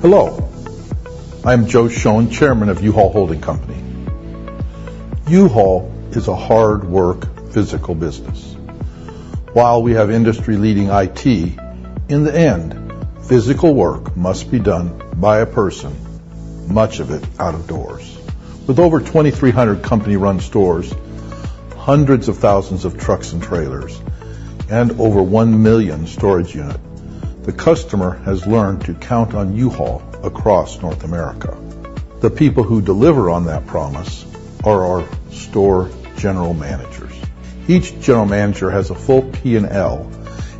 Hello, I'm Joe Shoen, chairman of U-Haul Holding Company. U-Haul is a hard-work, physical business. While we have industry-leading IT, in the end, physical work must be done by a person, much of it out of doors. With over 2,300 company-run stores, hundreds of thousands of trucks and trailers, and over 1 million storage units, the customer has learned to count on U-Haul across North America. The people who deliver on that promise are our store general Managers. Each general manager has a full P&L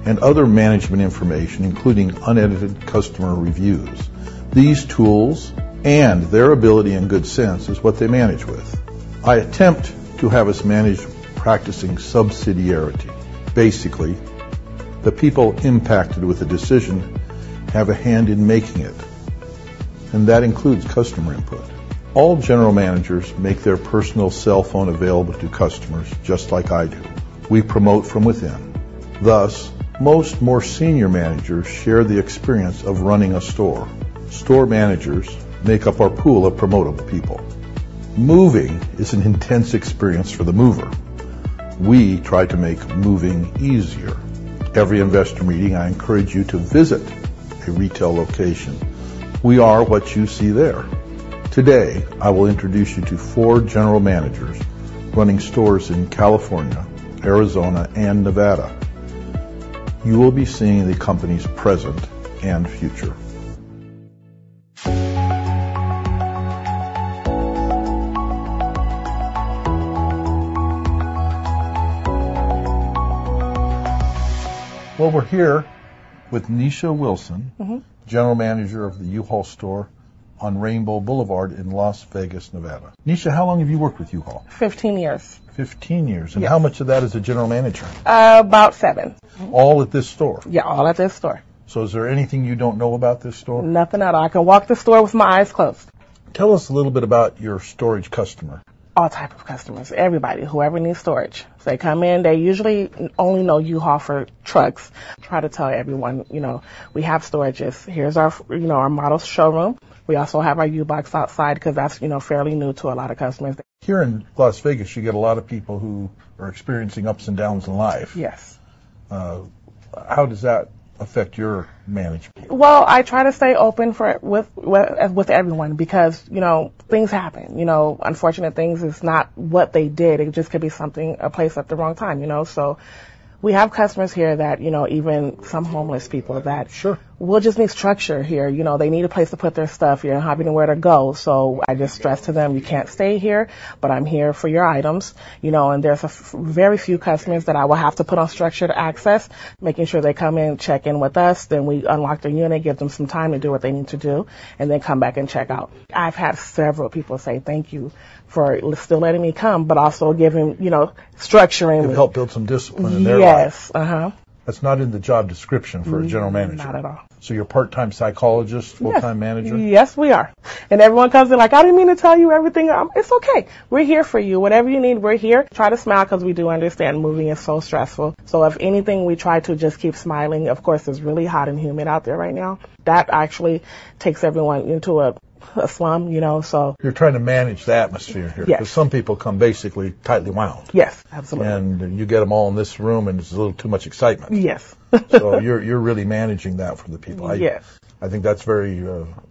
and other management information, including unedited customer reviews. These tools, and their ability and good sense, is what they manage with. I attempt to have us manage practicing subsidiarity. Basically, the people impacted with the decision have a hand in making it, and that includes customer input. All general managers make their personal cell phone available to customers, just like I do. We promote from within. Thus, most more senior managers share the experience of running a store. Store managers make up our pool of promotable people. Moving is an intense experience for the mover. We try to make moving easier. Every investor meeting, I encourage you to visit a retail location. We are what you see there. Today, I will introduce you to four general managers running stores in California, Arizona, and Nevada. You will be seeing the company's present and future. Well, we're here with Neisha Wilson- Mm-hmm. General manager of the U-Haul store on Rainbow Boulevard in Las Vegas, Nevada. Neisha, how long have you worked with U-Haul? Fifteen years. Fifteen years. Yes. How much of that as a general manager? About seven. All at this store? Yeah, all at this store. Is there anything you don't know about this store? Nothing at all. I can walk the store with my eyes closed. Tell us a little bit about your storage customer? All types of customers, everybody, whoever needs storage. They come in, they usually only know U-Haul for trucks. I try to tell everyone, you know, we have storages. Here's our, you know, our model showroom. We also have our U-Box outside because that's, you know, fairly new to a lot of customers. Here in Las Vegas, you get a lot of people who are experiencing ups and downs in life. Yes. How does that affect your management? Well, I try to stay open for it, with, with, with everyone, because, you know, things happen, you know? Unfortunate things, it's not what they did. It just could be something, a place at the wrong time, you know? So we have customers here that, you know, even some homeless people that- Sure. They'll just need structure here. You know, they need a place to put their stuff. They don't have nowhere to go. So I just stress to them, "You can't stay here, but I'm here for your items." You know, and there's a very few customers that I will have to put on structured access, making sure they come in, check in with us, then we unlock their unit, give them some time to do what they need to do, and then come back and check out. I've had several people say, "Thank you for still letting me come," but also giving, you know, structuring- You helped build some discipline in their life. Yes. Uh-huh. That's not in the job description- Mm. for a General Manager. Not at all. You're a part-time psychologist- Yes. -full-time manager? Yes, we are. Everyone comes in like, "I didn't mean to tell you everything." It's okay. We're here for you. Whatever you need, we're here. Try to smile, 'cause we do understand moving is so stressful. If anything, we try to just keep smiling. Of course, it's really hot and humid out there right now. That actually takes everyone into a slum, you know, so- You're trying to manage the atmosphere here. Yes. 'Cause some people come basically tightly wound. Yes, absolutely. And you get them all in this room, and it's a little too much excitement. Yes. So you're really managing that for the people. Yes. I think that's very,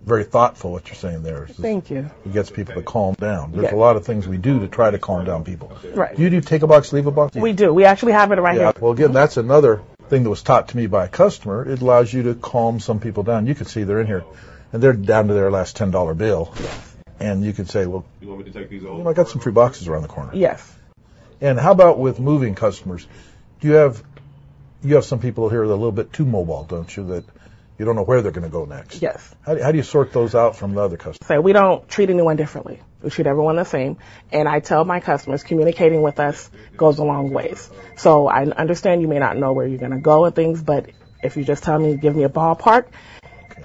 very thoughtful, what you're saying there. Thank you. It gets people to calm down. Yes. There's a lot of things we do to try to calm down people. Right. You do Take A Box, Leave A Box? We do. We actually have it right here. Yeah. Well, again, that's another thing that was taught to me by a customer. It allows you to calm some people down. You can see they're in here, and they're down to their last $10 bill. Yes. You can say, "Well, you want me to take these old? I got some free boxes around the corner. Yes. And how about with moving customers? Do you have... You have some people here that are a little bit too mobile, don't you? That you don't know where they're going to go next. Yes. How do you sort those out from the other customers? So we don't treat anyone differently. We treat everyone the same, and I tell my customers, "Communicating with us goes a long way. So I understand you may not know where you're going to go and things, but if you just tell me, give me a ballpark,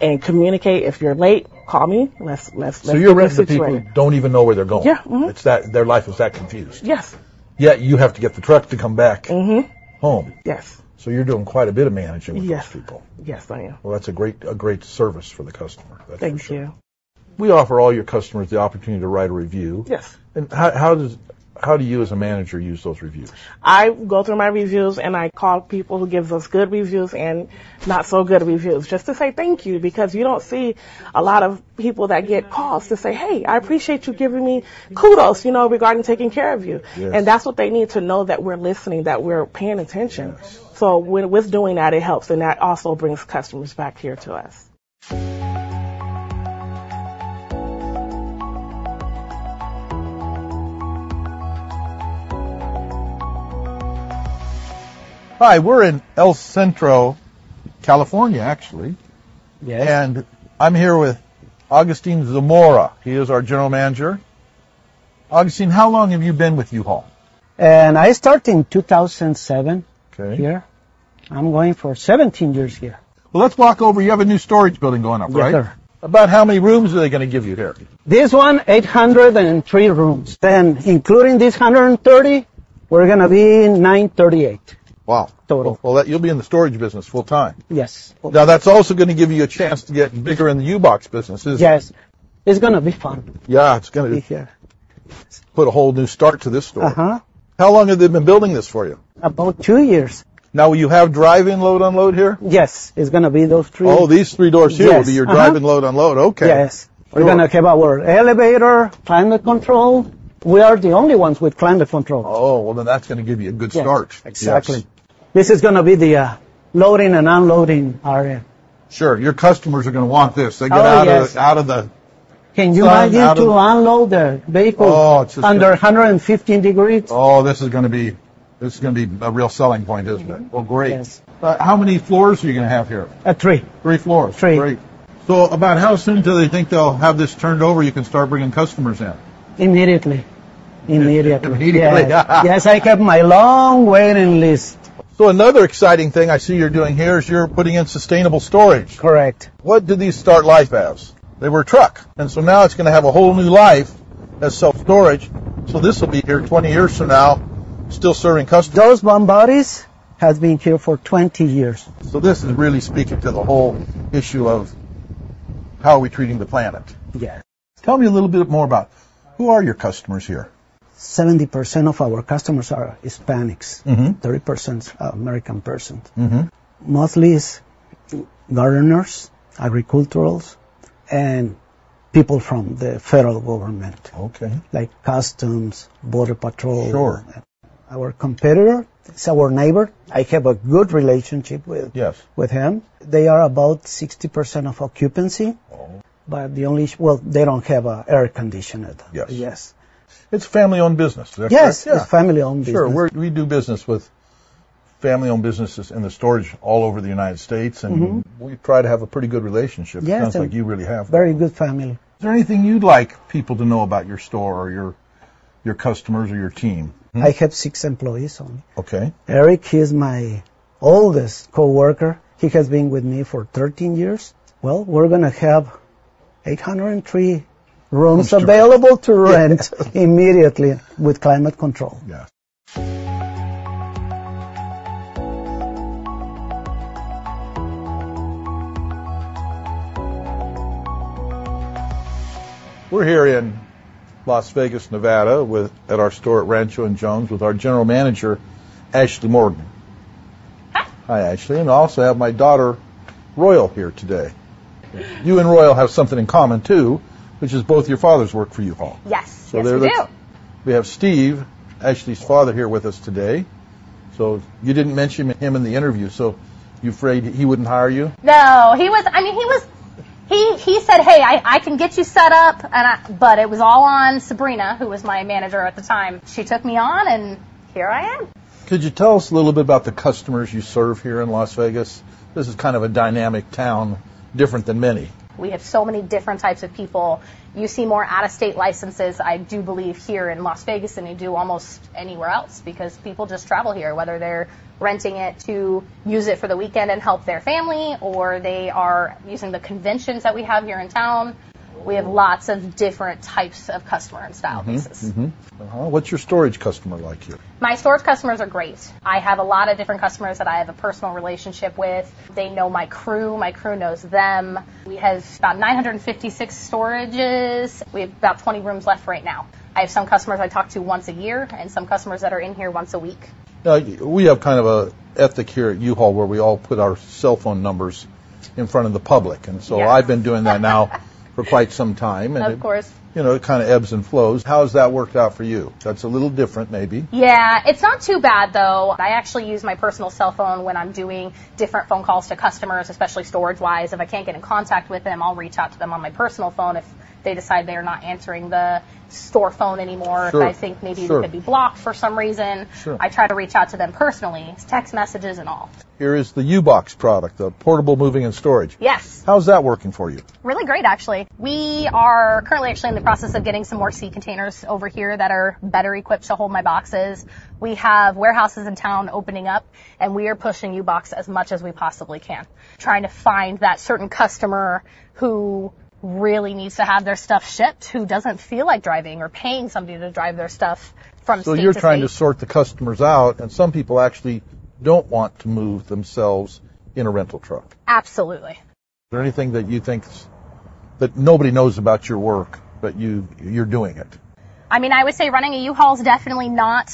and communicate. If you're late, call me. Let's- So you rent to people who don't even know where they're going? Yeah. Mm-hmm. It's that their life is that confused. Yes. Yet you have to get the truck to come back- Mm-hmm. -home. Yes. You're doing quite a bit of managing- Yes. with those people. Yes, I am. Well, that's a great, a great service for the customer. Thank you. We offer all your customers the opportunity to write a review. Yes. How do you, as a manager, use those reviews? I go through my reviews, and I call people who give us good reviews and not-so-good reviews, just to say thank you, because you don't see a lot of people that get calls to say, "Hey, I appreciate you giving me kudos, you know, regarding taking care of you. Yes. That's what they need to know, that we're listening, that we're paying attention. Yes. So when doing that, it helps, and that also brings customers back here to us. Hi, we're in El Centro, California, actually. Yes. I'm here with Agustin Zamora. He is our general manager. Augustin, how long have you been with U-Haul? I start in 2007- Okay. I'm working for 17 years here. Well, let's walk over. You have a new storage building going up, right? Yes, sir. About how many rooms are they going to give you here? This one, 803 rooms, then including this 130-... We're gonna be 938- Wow! -total. Well, well, you'll be in the storage business full time. Yes. Now, that's also gonna give you a chance to get bigger in the U-Box business, isn't it? Yes. It's gonna be fun. Yeah, it's gonna be. Yeah. Put a whole new start to this store. Uh-huh. How long have they been building this for you? About two years. Now, will you have drive-in load/unload here? Yes. It's gonna be those three. Oh, these three doors here- Yes. will be your drive-in load/unload. Okay. Yes. Cool. We're gonna have our elevator, climate control. We are the only ones with climate control. Oh, well, then, that's gonna give you a good start. Yes, exactly. Yes. This is gonna be the loading and unloading area. Sure. Your customers are gonna want this. Oh, yes. They get out of the Can you imagine- Sun, out of- to unload the vehicle Oh, it's just- under 115 degrees? Oh, this is gonna be, this is gonna be a real selling point, isn't it? Mm-hmm. Well, great. Yes. How many floors are you gonna have here? Uh, three. Three floors. Three. Great. So about how soon do they think they'll have this turned over, you can start bringing customers in? Immediately. Immediately. Immediately. Yes, I have my long waiting list. Another exciting thing I see you're doing here is you're putting in sustainable storage. Correct. What did these start life as? They were a truck, and so now it's gonna have a whole new life as self-storage. So this will be here 20 years from now, still serving customers. Those van bodies has been here for 20 years. This is really speaking to the whole issue of how are we treating the planet. Yes. Tell me a little bit more about who are your customers here? 70% of our customers are Hispanics. Mm-hmm. 30% are American person. Mm-hmm. Mostly is gardeners, agriculturals, and people from the federal government. Okay... like Customs, Border Patrol. Sure. Our competitor is our neighbor. I have a good relationship with- Yes... with him. They are about 60% of occupancy. Oh. The only issue, well, they don't have an air conditioner. Yes. Yes. It's a family-owned business, is that correct? Yes! Yeah. It's a family-owned business. Sure, we do business with family-owned businesses in the storage all over the United States, and- Mm-hmm... we try to have a pretty good relationship. Yes. It sounds like you really have. Very good family. Is there anything you'd like people to know about your store or your customers or your team? I have six employees only. Okay. Eric, he is my oldest coworker. He has been with me for 13 years. Well, we're gonna have 803 rooms- That's true... available to rent immediately with climate control. Yes. We're here in Las Vegas, Nevada, with at our store at Rancho and Jones with our general manager, Ashley Morgan. Hi, Ashley, and I also have my daughter, Royal, here today. You and Royal have something in common, too, which is both your fathers work for U-Haul. Yes. Yes, we do. We have Steve, Ashley's father, here with us today. So you didn't mention him in the interview, so you afraid he wouldn't hire you? No, I mean, he was. He said, "Hey, I can get you set up," but it was all on Sabrina, who was my manager at the time. She took me on, and here I am. Could you tell us a little bit about the customers you serve here in Las Vegas? This is kind of a dynamic town, different than many. We have so many different types of people. You see more out-of-state licenses, I do believe, here in Las Vegas than you do almost anywhere else because people just travel here, whether they're renting it to use it for the weekend and help their family, or they are using the conventions that we have here in town. Mm. We have lots of different types of customer and style businesses. Mm-hmm. Mm-hmm. Uh-huh. What's your storage customer like here? My storage customers are great. I have a lot of different customers that I have a personal relationship with. They know my crew. My crew knows them. We have about 956 storages. We have about 20 rooms left right now. I have some customers I talk to once a year and some customers that are in here once a week. We have kind of an ethos here at U-Haul where we all put our cell phone numbers in front of the public, and so- Yes.... I've been doing that now for quite some time, and- Of course... you know, it kind of ebbs and flows. How has that worked out for you? That's a little different, maybe. Yeah. It's not too bad, though. I actually use my personal cell phone when I'm doing different phone calls to customers, especially storage-wise. If I can't get in contact with them, I'll reach out to them on my personal phone. If they decide they are not answering the store phone anymore- Sure… if I think maybe Sure... it could be blocked for some reason. Sure... I try to reach out to them personally, text messages and all. Here is the U-Box product, the portable moving and storage. Yes. How is that working for you? Really great, actually. We are currently actually in the process of getting some more sea containers over here that are better equipped to hold my boxes. We have warehouses in town opening up, and we are pushing U-Box as much as we possibly can, trying to find that certain customer who really needs to have their stuff shipped, who doesn't feel like driving or paying somebody to drive their stuff from state to state. You're trying to sort the customers out, and some people actually don't want to move themselves in a rental truck? Absolutely. Is there anything that you think that nobody knows about your work, but you, you're doing it? I mean, I would say running a U-Haul is definitely not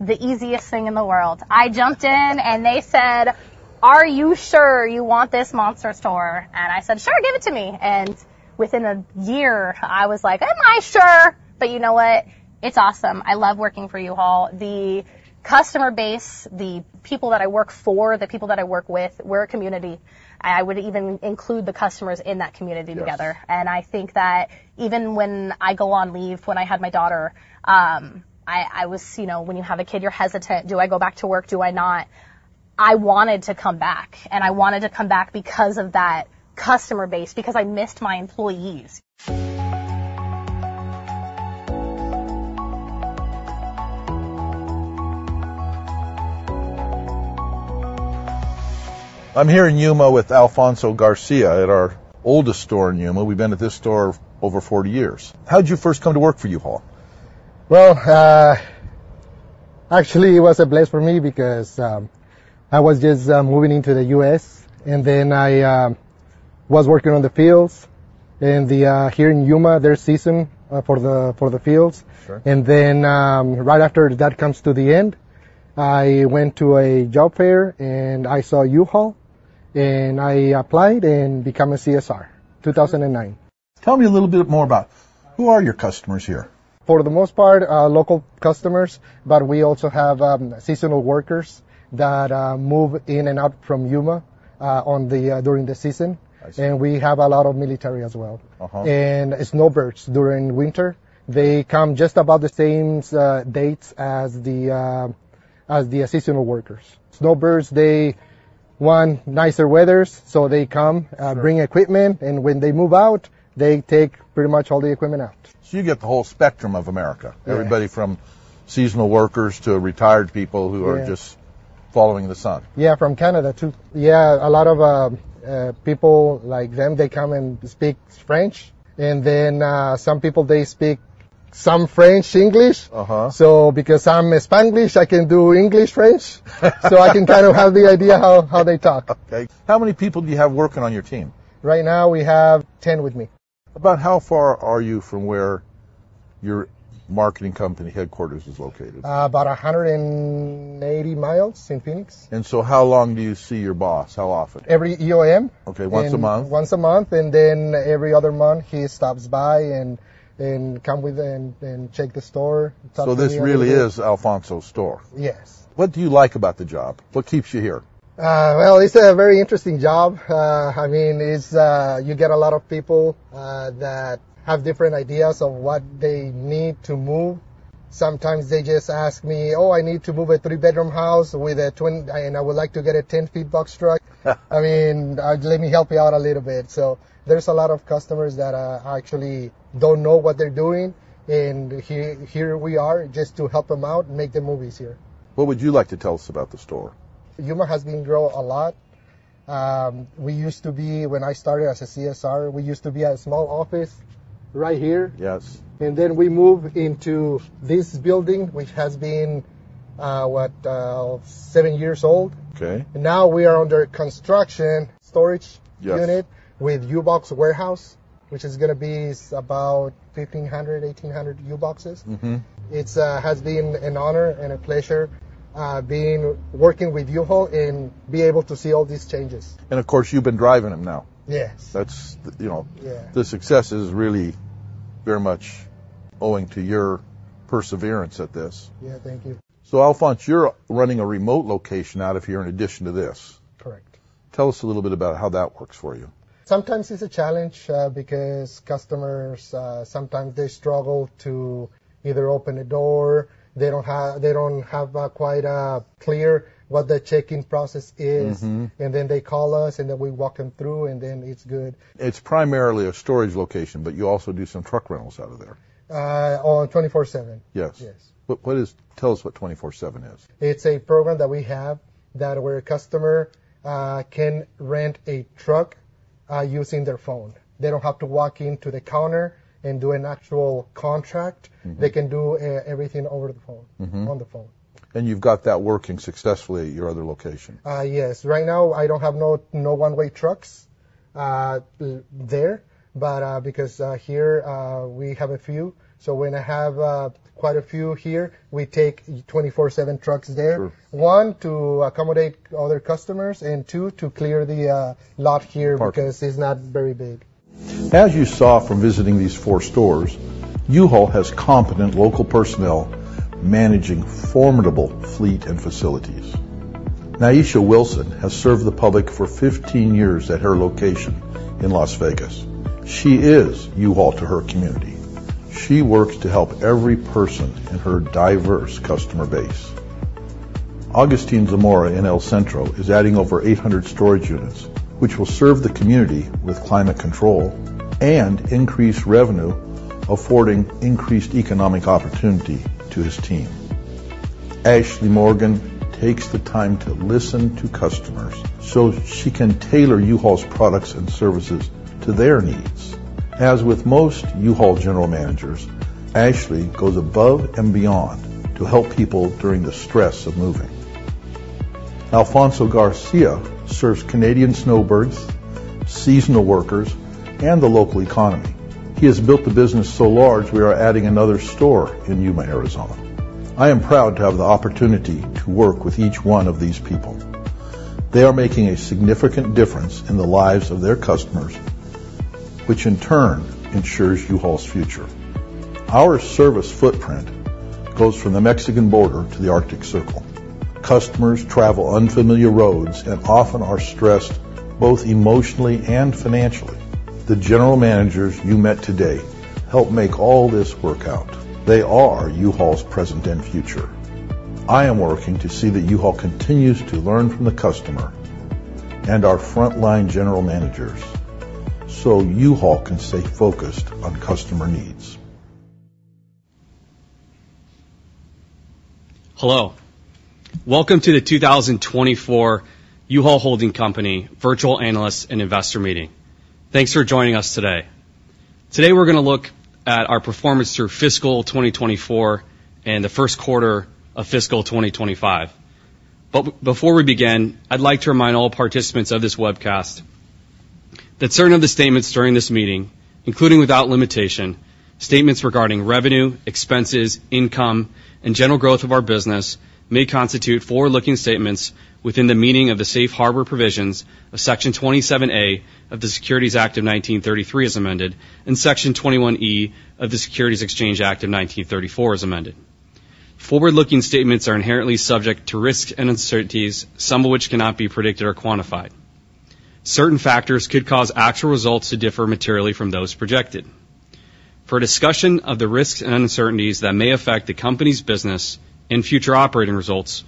the easiest thing in the world. I jumped in, and they said, "Are you sure you want this monster store?" And I said, "Sure, give it to me." And within a year, I was like, "Am I sure?" But you know what? It's awesome. I love working for U-Haul. The customer base, the people that I work for, the people that I work with, we're a community. I would even include the customers in that community together. Yes. I think that even when I go on leave, when I had my daughter, I was. You know, when you have a kid, you're hesitant. Do I go back to work? Do I not? I wanted to come back, and I wanted to come back because of that customer base, because I missed my employees.... I'm here in Yuma with Alfonso Garcia at our oldest store in Yuma. We've been at this store over 40 years. How'd you first come to work for U-Haul? Well, actually, it was a blessing for me because I was just moving into the U.S., and then I was working on the fields. And here in Yuma, there's season for the fields. Sure. Then, right after that comes to the end, I went to a job fair, and I saw U-Haul, and I applied and become a CSR, 2009. Tell me a little bit more about who are your customers here? For the most part, local customers, but we also have seasonal workers that move in and out from Yuma during the season. I see. We have a lot of military as well. Uh-huh. Snowbirds during winter. They come just about the same dates as the seasonal workers. Snowbirds, they want nicer weather, so they come- Sure... bring equipment, and when they move out, they take pretty much all the equipment out. You get the whole spectrum of America? Yes. Everybody from seasonal workers to retired people- Yeah... who are just following the sun. Yeah, from Canada, too. Yeah, a lot of people like them, they come and speak French, and then some people, they speak some French, English. Uh-huh. Because I'm Spanglish, I can do English, French. I can kind of have the idea how they talk. Okay. How many people do you have working on your team? Right now, we have 10 with me. About how far are you from where your marketing company headquarters is located? about 180 miles in Phoenix. How long do you see your boss? How often? Every EOM. Okay, once a month. Once a month, and then every other month, he stops by and comes to check the store, talk to me- This really is Alfonso's store? Yes. What do you like about the job? What keeps you here? Well, it's a very interesting job. I mean, it's, you get a lot of people that have different ideas of what they need to move. Sometimes they just ask me, "Oh, I need to move a three-bedroom house with a twin, and I would like to get a 10-foot box truck." I mean, let me help you out a little bit. So there's a lot of customers that actually don't know what they're doing, and here, here we are, just to help them out, make the move easier. What would you like to tell us about the store? Yuma has been growing a lot. When I started as a CSR, we used to be at a small office right here. Yes. And then we moved into this building, which has been, what? seven years old. Okay. Now we are under construction, storage- Yes... unit with U-Box warehouse, which is gonna be about 1,500-1,800 U-Boxes. Mm-hmm. It has been an honor and a pleasure working with U-Haul and being able to see all these changes. Of course, you've been driving them now. Yes. That's, you know- Yeah. The success is really very much owing to your perseverance at this. Yeah. Thank you. So, Alfonso, you're running a remote location out of here in addition to this? Correct. Tell us a little bit about how that works for you? Sometimes it's a challenge because customers sometimes they struggle to either open a door. They don't have quite clear what the check-in process is. Mm-hmm. And then they call us, and then we walk them through, and then it's good. It's primarily a storage location, but you also do some truck rentals out of there. On 24/7. Yes. Yes. What is... Tell us what 24/7 is. It's a program that we have where a customer can rent a truck using their phone. They don't have to walk into the counter and do an actual contract. Mm-hmm. They can do everything over the phone. Mm-hmm. On the phone. You've got that working successfully at your other location? Yes. Right now, I don't have no one-way trucks there, but because here we have a few. So when I have quite a few here, we take 24/7 trucks there. Sure. One, to accommodate other customers, and two, to clear the lot here- Parking... because it's not very big. As you saw from visiting these four stores, U-Haul has competent local personnel managing formidable fleet and facilities. Neisha Wilson has served the public for 15 years at her location in Las Vegas. She is U-Haul to her community. She works to help every person in her diverse customer base. Agustin Zamora in El Centro is adding over 800 storage units, which will serve the community with climate control and increase revenue, affording increased economic opportunity to his team. Ashley Morgan takes the time to listen to customers, so she can tailor U-Haul's products and services to their needs. As with most U-Haul general managers, Ashley goes above and beyond to help people during the stress of moving. Alfonso Garcia serves Canadian snowbirds, seasonal workers, and the local economy. He has built the business so large, we are adding another store in Yuma, Arizona. I am proud to have the opportunity to work with each one of these people. They are making a significant difference in the lives of their customers, which in turn ensures U-Haul's future. Our service footprint goes from the Mexican border to the Arctic Circle. Customers travel unfamiliar roads and often are stressed, both emotionally and financially. The general managers you met today help make all this work out. They are U-Haul's present and future. I am working to see that U-Haul continues to learn from the customer and our frontline general managers, so U-Haul can stay focused on customer needs. Hello! Welcome to the 2024 U-Haul Holding Company Virtual Analyst and Investor Meeting. Thanks for joining us today. Today, we're going to look at our performance through fiscal 2024 and the first quarter of fiscal 2025. But before we begin, I'd like to remind all participants of this webcast that certain of the statements during this meeting, including without limitation, statements regarding revenue, expenses, income, and general growth of our business, may constitute forward-looking statements within the meaning of the Safe Harbor Provisions of Section 27A of the Securities Act of 1933, as amended, and Section 21E of the Securities Exchange Act of 1934, as amended. Forward-looking statements are inherently subject to risks and uncertainties, some of which cannot be predicted or quantified. Certain factors could cause actual results to differ materially from those projected. For a discussion of the risks and uncertainties that may affect the company's business and future operating results,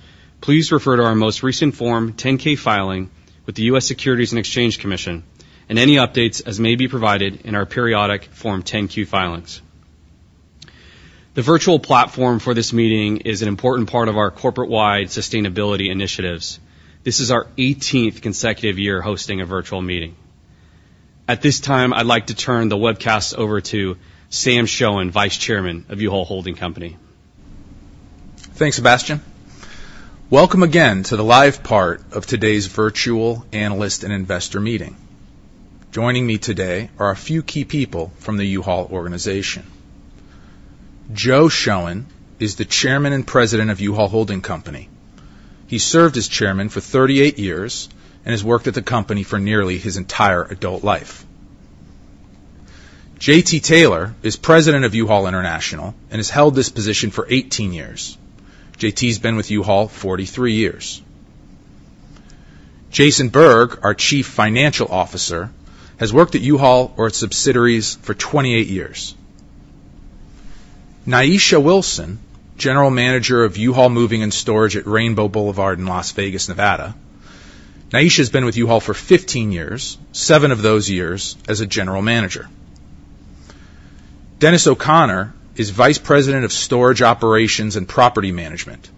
please refer to our most recent Form 10-K filing with the U.S. Securities and Exchange Commission, and any updates as may be provided in our periodic Form 10-Q filings. The virtual platform for this meeting is an important part of our corporate-wide sustainability initiatives. This is our eighteenth consecutive year hosting a virtual meeting. At this time, I'd like to turn the webcast over to Sam Shoen, Vice Chairman of U-Haul Holding Company. Thanks, Sebastien. Welcome again to the live part of today's Virtual Analyst and Investor Meeting. Joining me today are a few key people from the U-Haul organization. Joe Shoen is the Chairman and President of U-Haul Holding Company. He served as chairman for 38 years and has worked at the company for nearly his entire adult life. J.T. Taylor is President of U-Haul International and has held this position for 18 years. J.T.'s been with U-Haul 43 years. Jason Berg, our Chief Financial Officer, has worked at U-Haul or its subsidiaries for 28 years. Neisha Wilson, general manager of U-Haul Moving and Storage at Rainbow Boulevard in Las Vegas, Nevada. Neisha has been with U-Haul for 15 years, 7 of those years as a general manager. Dennis O'Connor is Vice President of Storage Operations and Property Management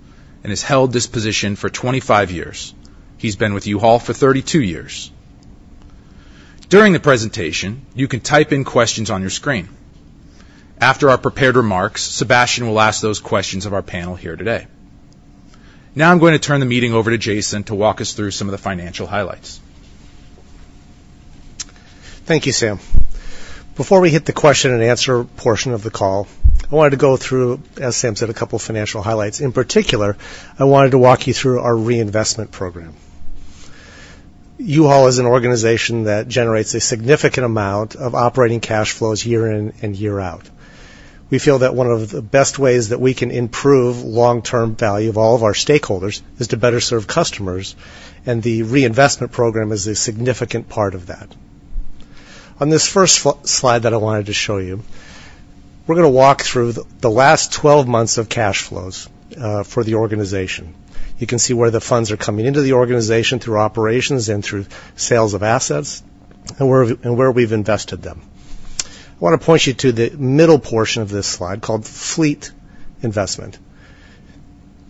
and has held this position for 25 years. He's been with U-Haul for 32 years. During the presentation, you can type in questions on your screen. After our prepared remarks, Sebastien will ask those questions of our panel here today. Now, I'm going to turn the meeting over to Jason to walk us through some of the financial highlights. Thank you, Sam. Before we hit the question and answer portion of the call, I wanted to go through, as Sam said, a couple of financial highlights. In particular, I wanted to walk you through our reinvestment program. U-Haul is an organization that generates a significant amount of operating cash flows year in and year out. We feel that one of the best ways that we can improve long-term value of all of our stakeholders is to better serve customers, and the reinvestment program is a significant part of that. On this first slide that I wanted to show you, we're going to walk through the last twelve months of cash flows for the organization. You can see where the funds are coming into the organization through operations and through sales of assets, and where we've invested them. I want to point you to the middle portion of this slide, called Fleet Investment.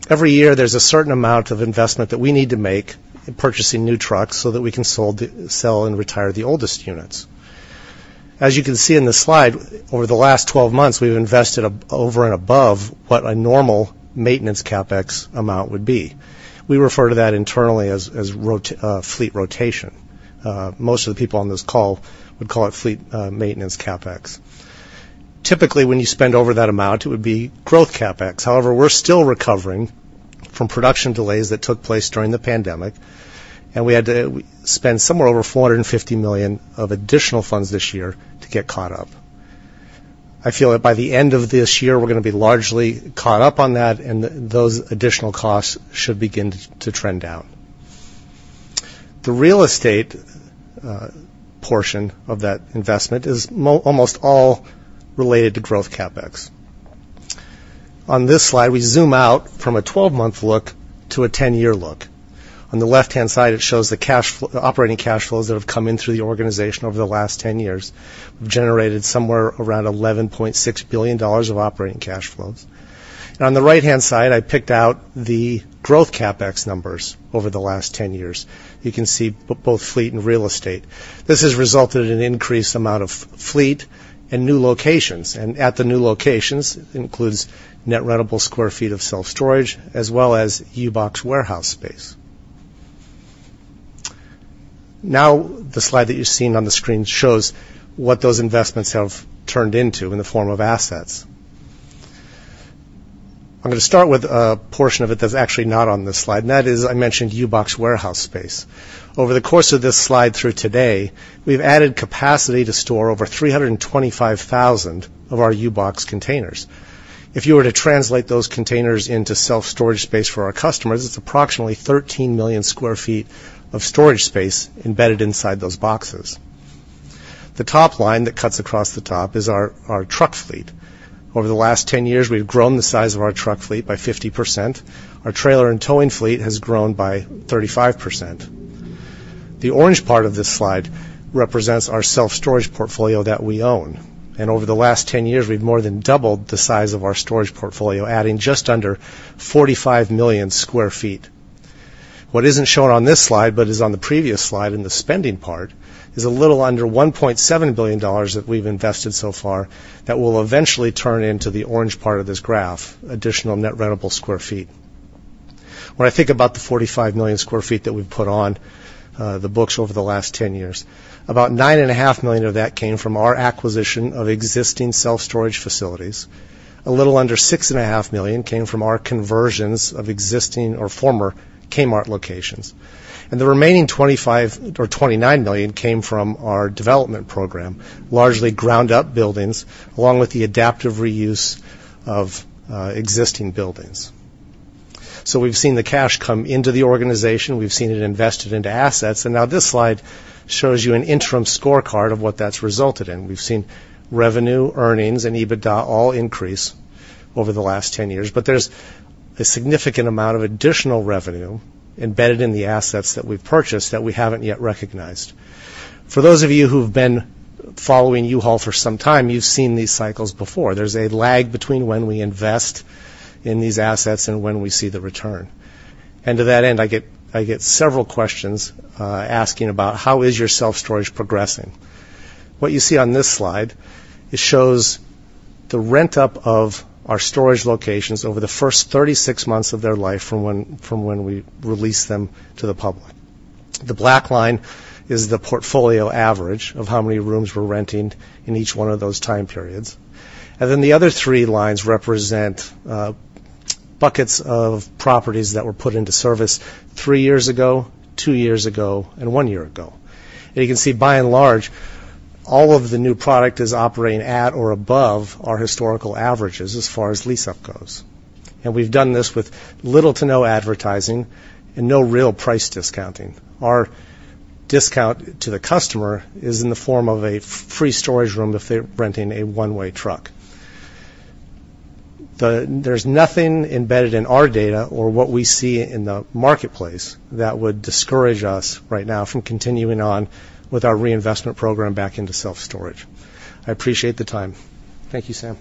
Every year, there's a certain amount of investment that we need to make in purchasing new trucks so that we can sold, sell and retire the oldest units. As you can see in the slide, over the last 12 months, we've invested over and above what a normal maintenance CapEx amount would be. We refer to that internally as fleet rotation. Most of the people on this call would call it fleet maintenance CapEx. Typically, when you spend over that amount, it would be growth CapEx. However, we're still recovering from production delays that took place during the pandemic, and we had to spend somewhere over $450 million of additional funds this year to get caught up. I feel that by the end of this year, we're going to be largely caught up on that, and the, those additional costs should begin to, to trend down. The real estate portion of that investment is almost all related to growth CapEx. On this slide, we zoom out from a 12-month look to a 10-year look. On the left-hand side, it shows the operating cash flows that have come in through the organization over the last 10 years. We've generated somewhere around $11.6 billion of operating cash flows. On the right-hand side, I picked out the growth CapEx numbers over the last 10 years. You can see both fleet and real estate. This has resulted in increased amount of fleet and new locations, and at the new locations, includes net rentable square feet of self-storage, as well as U-Box warehouse space. Now, the slide that you're seeing on the screen shows what those investments have turned into in the form of assets. I'm going to start with a portion of it that's actually not on this slide, and that is, I mentioned U-Box warehouse space. Over the course of this slide through today, we've added capacity to store over 325,000 of our U-Box containers. If you were to translate those containers into self-storage space for our customers, it's approximately 13 million sq ft of storage space embedded inside those boxes. The top line that cuts across the top is our truck fleet. Over the last 10 years, we've grown the size of our truck fleet by 50%. Our trailer and towing fleet has grown by 35%. The orange part of this slide represents our self-storage portfolio that we own. Over the last 10 years, we've more than doubled the size of our storage portfolio, adding just under 45 million sq ft. What isn't shown on this slide, but is on the previous slide in the spending part, is a little under $1.7 billion that we've invested so far, that will eventually turn into the orange part of this graph, additional net rentable square feet. When I think about the 45 million sq ft that we've put on, the books over the last 10 years, about 9.5 million of that came from our acquisition of existing self-storage facilities. A little under $6.5 million came from our conversions of existing or former Kmart locations, and the remaining $25 million or $29 million came from our development program, largely ground-up buildings, along with the adaptive reuse of existing buildings. So we've seen the cash come into the organization, we've seen it invested into assets, and now this slide shows you an interim scorecard of what that's resulted in. We've seen revenue, earnings, and EBITDA all increase over the last 10 years, but there's a significant amount of additional revenue embedded in the assets that we've purchased that we haven't yet recognized. For those of you who've been following U-Haul for some time, you've seen these cycles before. There's a lag between when we invest in these assets and when we see the return. To that end, I get, I get several questions asking about, "How is your self-storage progressing?" What you see on this slide shows the rent-up of our storage locations over the first 36 months of their life from when we released them to the public. The black line is the portfolio average of how many rooms we're renting in each one of those time periods. Then, the other three lines represent buckets of properties that were put into service 3 years ago, 2 years ago, and 1 year ago. You can see, by and large, all of the new product is operating at or above our historical averages as far as lease-up goes. We've done this with little to no advertising and no real price discounting. Our discount to the customer is in the form of a free storage room if they're renting a one-way truck. There's nothing embedded in our data or what we see in the marketplace that would discourage us right now from continuing on with our reinvestment program back into self-storage. I appreciate the time. Thank you, Sam.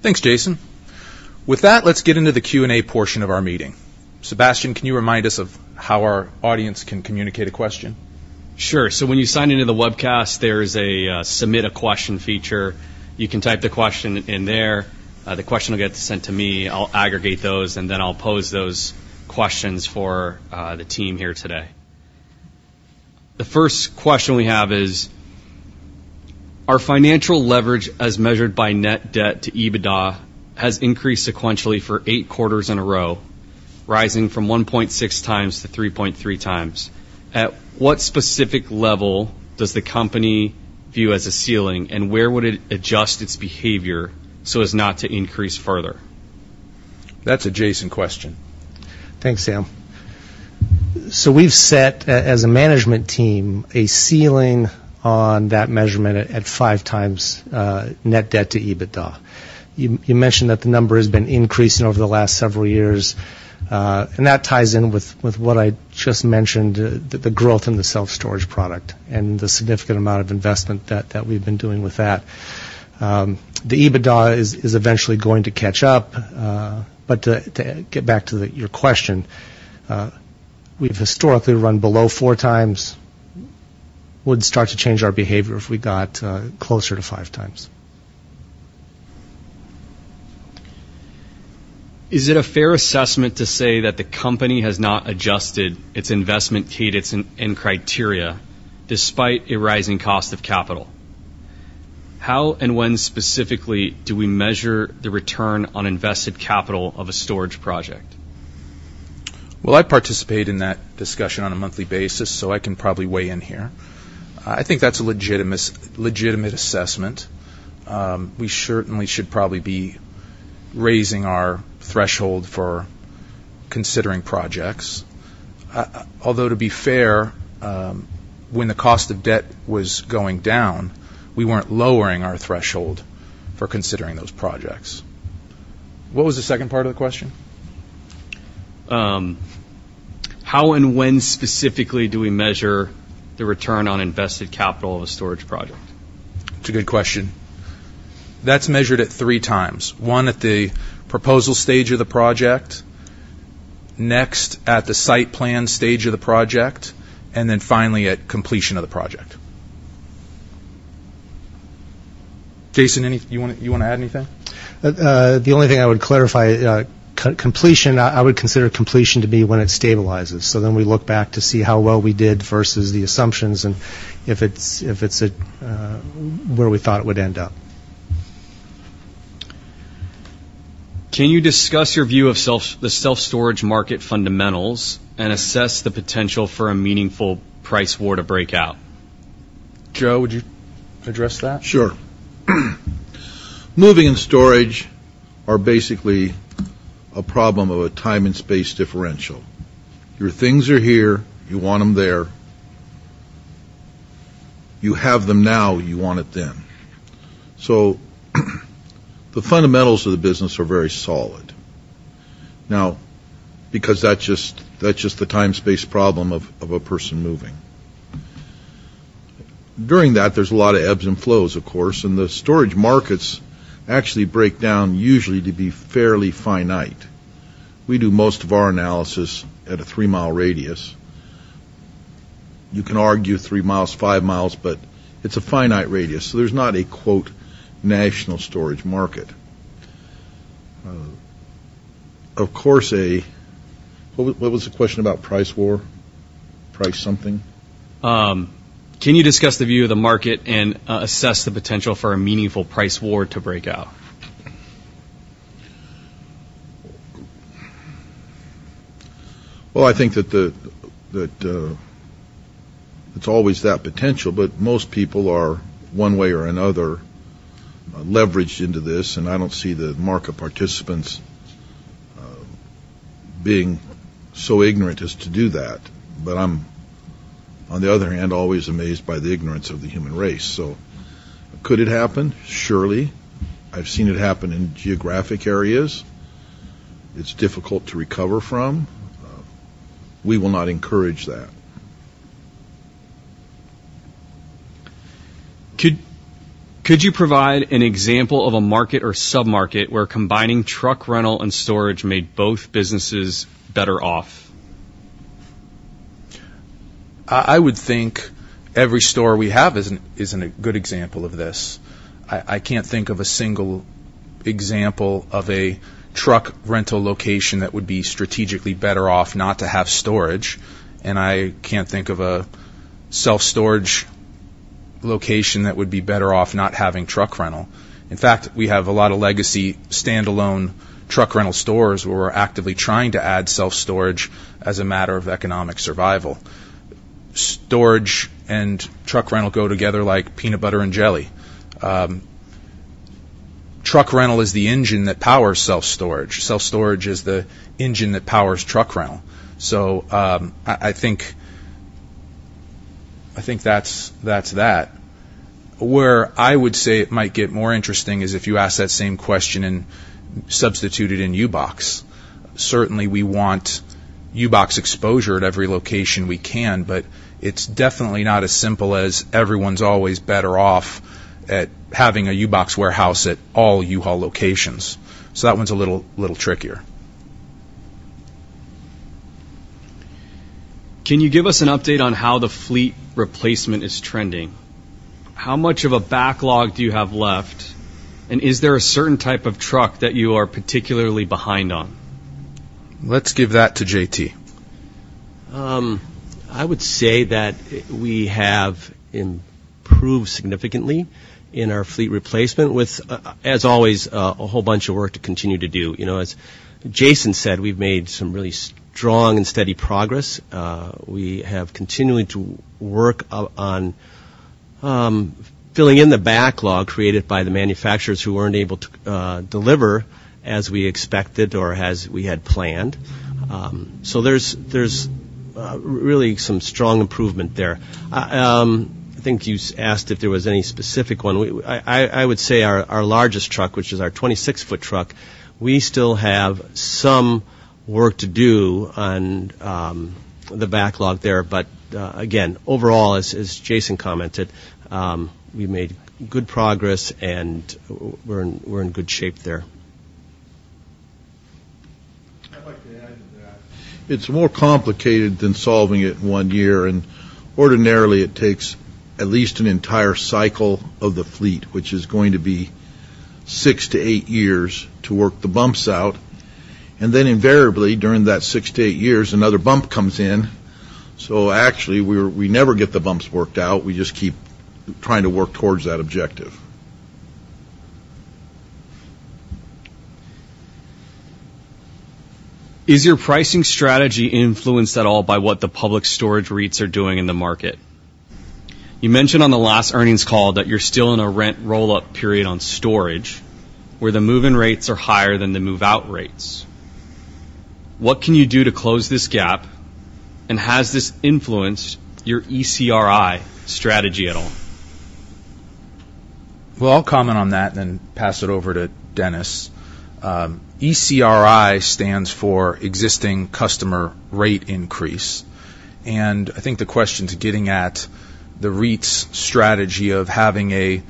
Thanks, Jason. With that, let's get into the Q&A portion of our meeting. Sebastien, can you remind us of how our audience can communicate a question? Sure. So when you sign into the webcast, there's a Submit a Question feature. You can type the question in there. The question will get sent to me, I'll aggregate those, and then I'll pose those questions for the team here today. The first question we have is: Our financial leverage, as measured by net debt to EBITDA, has increased sequentially for 8 quarters in a row, rising from 1.6 times to 3.3 times. At what specific level does the company view as a ceiling, and where would it adjust its behavior so as not to increase further? That's a Jason question. Thanks, Sam. So we've set, as a management team, a ceiling on that measurement at 5x net debt to EBITDA. You mentioned that the number has been increasing over the last several years, and that ties in with what I just mentioned, the growth in the self-storage product and the significant amount of investment that we've been doing with that. The EBITDA is eventually going to catch up, but to get back to your question, we've historically run below 4x. We'd start to change our behavior if we got closer to 5x. Is it a fair assessment to say that the company has not adjusted its investment cadence and criteria, despite a rising cost of capital? How and when specifically do we measure the return on invested capital of a storage project? Well, I participate in that discussion on a monthly basis, so I can probably weigh in here. I think that's a legitimate, legitimate assessment. We certainly should probably be raising our threshold for considering projects. Although, to be fair, when the cost of debt was going down, we weren't lowering our threshold for considering those projects. What was the second part of the question? How and when specifically do we measure the return on invested capital of a storage project? It's a good question. That's measured at three times. One, at the proposal stage of the project, next at the site plan stage of the project, and then finally, at completion of the project. Jason, anything you wanna add anything? The only thing I would clarify, co-completion, I would consider completion to be when it stabilizes. So then, we look back to see how well we did versus the assumptions, and if it's at where we thought it would end up. Can you discuss your view of the self-storage market fundamentals and assess the potential for a meaningful price war to break out? Joe, would you address that? Sure. Moving and storage are basically a problem of a time and space differential. Your things are here, you want them there. You have them now, you want it then. So, the fundamentals of the business are very solid. Now, because that's just, that's just the time-space problem of a person moving. During that, there's a lot of ebbs and flows, of course, and the storage markets actually break down, usually to be fairly finite. We do most of our analysis at a three-mile radius. You can argue three miles, five miles, but it's a finite radius, so there's not a, quote, "national storage market." Of course, what was the question about price war? Price something? Can you discuss the view of the market and assess the potential for a meaningful price war to break out? Well, I think that it's always that potential, but most people are, one way or another, leveraged into this, and I don't see the market participants being so ignorant as to do that. But I'm, on the other hand, always amazed by the ignorance of the human race. So could it happen? Surely. I've seen it happen in geographic areas. It's difficult to recover from. We will not encourage that. Could you provide an example of a market or submarket where combining truck rental and storage made both businesses better off? I would think every store we have is a good example of this. I can't think of a single example of a truck rental location that would be strategically better off not to have storage, and I can't think of a self-storage location that would be better off not having truck rental. In fact, we have a lot of legacy, standalone truck rental stores, where we're actively trying to add self-storage as a matter of economic survival. Storage and truck rental go together like peanut butter and jelly. Truck rental is the engine that powers self-storage. Self-storage is the engine that powers truck rental. So, I think that's that. Where I would say it might get more interesting is if you ask that same question and substitute it in U-Box. Certainly, we want U-Box exposure at every location we can, but it's definitely not as simple as everyone's always better off at having a U-Box warehouse at all U-Haul locations, so that one's a little, little trickier. Can you give us an update on how the fleet replacement is trending? How much of a backlog do you have left, and is there a certain type of truck that you are particularly behind on? Let's give that to J.T. I would say that we have improved significantly in our fleet replacement, with, as always, a whole bunch of work to continue to do. You know, as Jason said, we've made some really strong and steady progress. We have continued to work on filling in the backlog created by the manufacturers who weren't able to deliver as we expected or as we had planned. So there's really some strong improvement there. I think you asked if there was any specific one. I would say our largest truck, which is our 26-foot truck, we still have some work to do on the backlog there. But, again, overall, as Jason commented, we made good progress, and we're in good shape there. I'd like to add to that. It's more complicated than solving it in one year, and ordinarily, it takes at least an entire cycle of the fleet, which is going to be 6-8 years to work the bumps out. And then invariably, during that 6-8 years, another bump comes in, so actually, we, we never get the bumps worked out. We just keep trying to work towards that objective. Is your pricing strategy influenced at all by what the Public Storage REITs are doing in the market? You mentioned on the last earnings call that you're still in a rent roll-up period on storage, where the move-in rates are higher than the move-out rates. What can you do to close this gap, and has this influenced your ECRI strategy at all? Well, I'll comment on that and then pass it over to Dennis. ECRI stands for Existing Customer Rate Increase, and I think the question's getting at the REIT's strategy of having a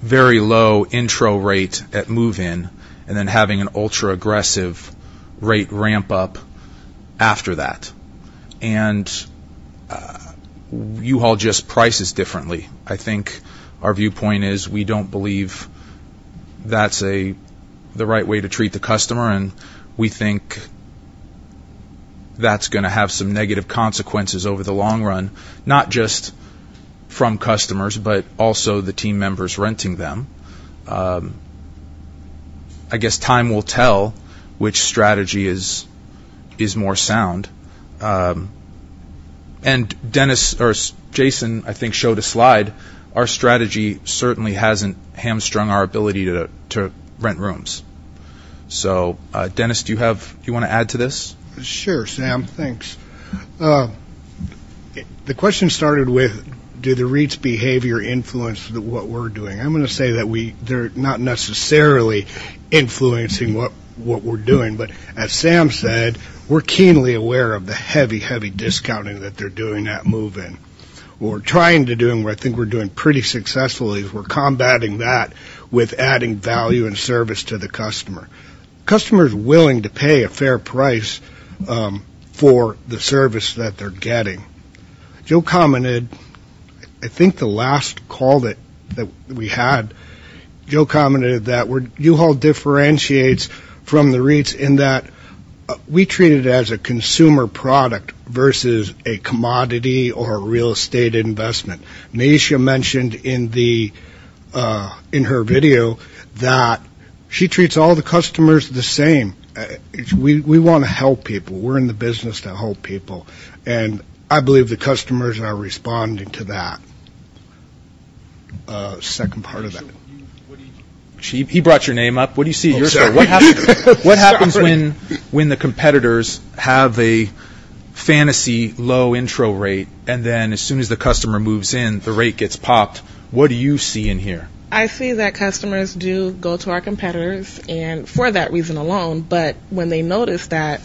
very low intro rate at move-in, and then having an ultra-aggressive rate ramp up after that. U-Haul just prices differently. I think our viewpoint is, we don't believe that's the right way to treat the customer, and we think that's gonna have some negative consequences over the long run, not just from customers, but also the team members renting them. I guess time will tell which strategy is more sound. Dennis or Jason, I think, showed a slide. Our strategy certainly hasn't hamstrung our ability to rent rooms... So, Dennis, do you want to add to this? Sure, Sam. Thanks. The question started with, did the REITs' behavior influence what we're doing? I'm going to say that they're not necessarily influencing what we're doing, but as Sam said, we're keenly aware of the heavy, heavy discounting that they're doing at move-in. What we're trying to do, and what I think we're doing pretty successfully, is we're combating that with adding value and service to the customer. The customer is willing to pay a fair price for the service that they're getting. Joe commented, I think the last call that we had, Joe commented that U-Haul differentiates from the REITs in that we treat it as a consumer product versus a commodity or a real estate investment. Neisha mentioned in her video that she treats all the customers the same. We want to help people. We're in the business to help people, and I believe the customers are responding to that. Second part of that? He brought your name up. What do you see your side? What happens when the competitors have a fantasy low intro rate, and then as soon as the customer moves in, the rate gets popped? What do you see in here? I see that customers do go to our competitors, and for that reason alone, but when they notice that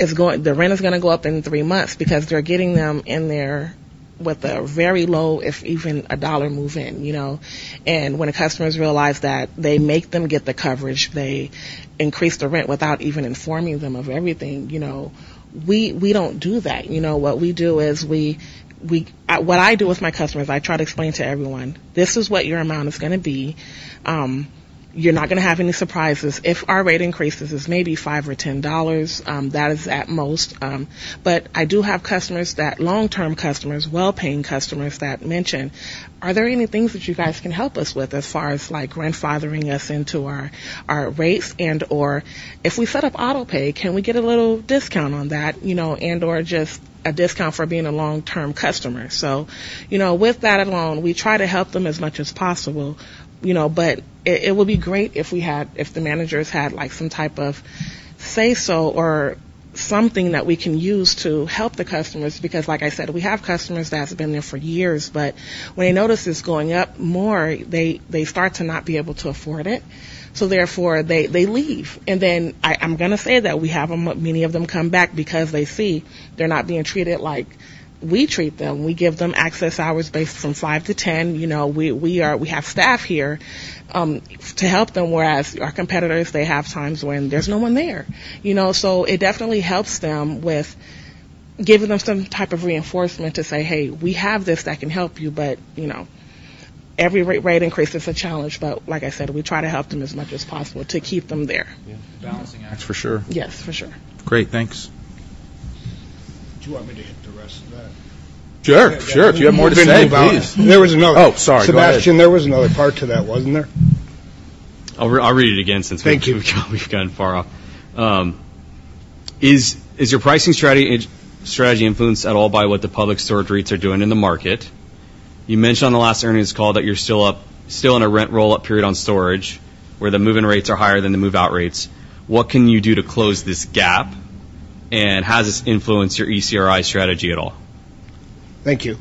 it's going, the rent is gonna go up in three months because they're getting them in there with a very low, if even a dollar, move-in, you know. And when the customers realize that they make them get the coverage, they increase the rent without even informing them of everything, you know, we don't do that. You know, what we do is we. What I do with my customers, I try to explain to everyone, "This is what your amount is gonna be. You're not gonna have any surprises. If our rate increases, it's maybe $5 or $10, that is at most. But I do have customers that, long-term customers, well-paying customers, that mention, "Are there any things that you guys can help us with as far as, like, grandfathering us into our, our rates? And/or if we set up Autopay, can we get a little discount on that? You know, and/or just a discount for being a long-term customer. So, you know, with that alone, we try to help them as much as possible, you know, but it, it would be great if we had—if the managers had, like, some type of say-so or something that we can use to help the customers, because like I said, we have customers that's been there for years, but when they notice it's going up more, they, they start to not be able to afford it, so therefore, they, they leave. And then I, I'm gonna say that we have them, many of them come back because they see they're not being treated like we treat them. We give them access hours based from five to ten. You know, we have staff here to help them, whereas our competitors, they have times when there's no one there. You know, so it definitely helps them with giving them some type of reinforcement to say, "Hey, we have this that can help you," but, you know, every rate increase is a challenge, but like I said, we try to help them as much as possible to keep them there. Yeah, balancing act. That's for sure. Yes, for sure. Great. Thanks. Do you want me to hit the rest of that? Sure, sure. If you have more to say, please. There was another- Oh, sorry. Go ahead. Sebastien, there was another part to that, wasn't there? I'll read it again, since- Thank you... we've gone far off. Is your pricing strategy influenced at all by what the Public Storage REITs are doing in the market? You mentioned on the last earnings call that you're still up, still in a rent roll-up period on storage, where the move-in rates are higher than the move-out rates. What can you do to close this gap, and has this influenced your ECRI strategy at all? Thank you.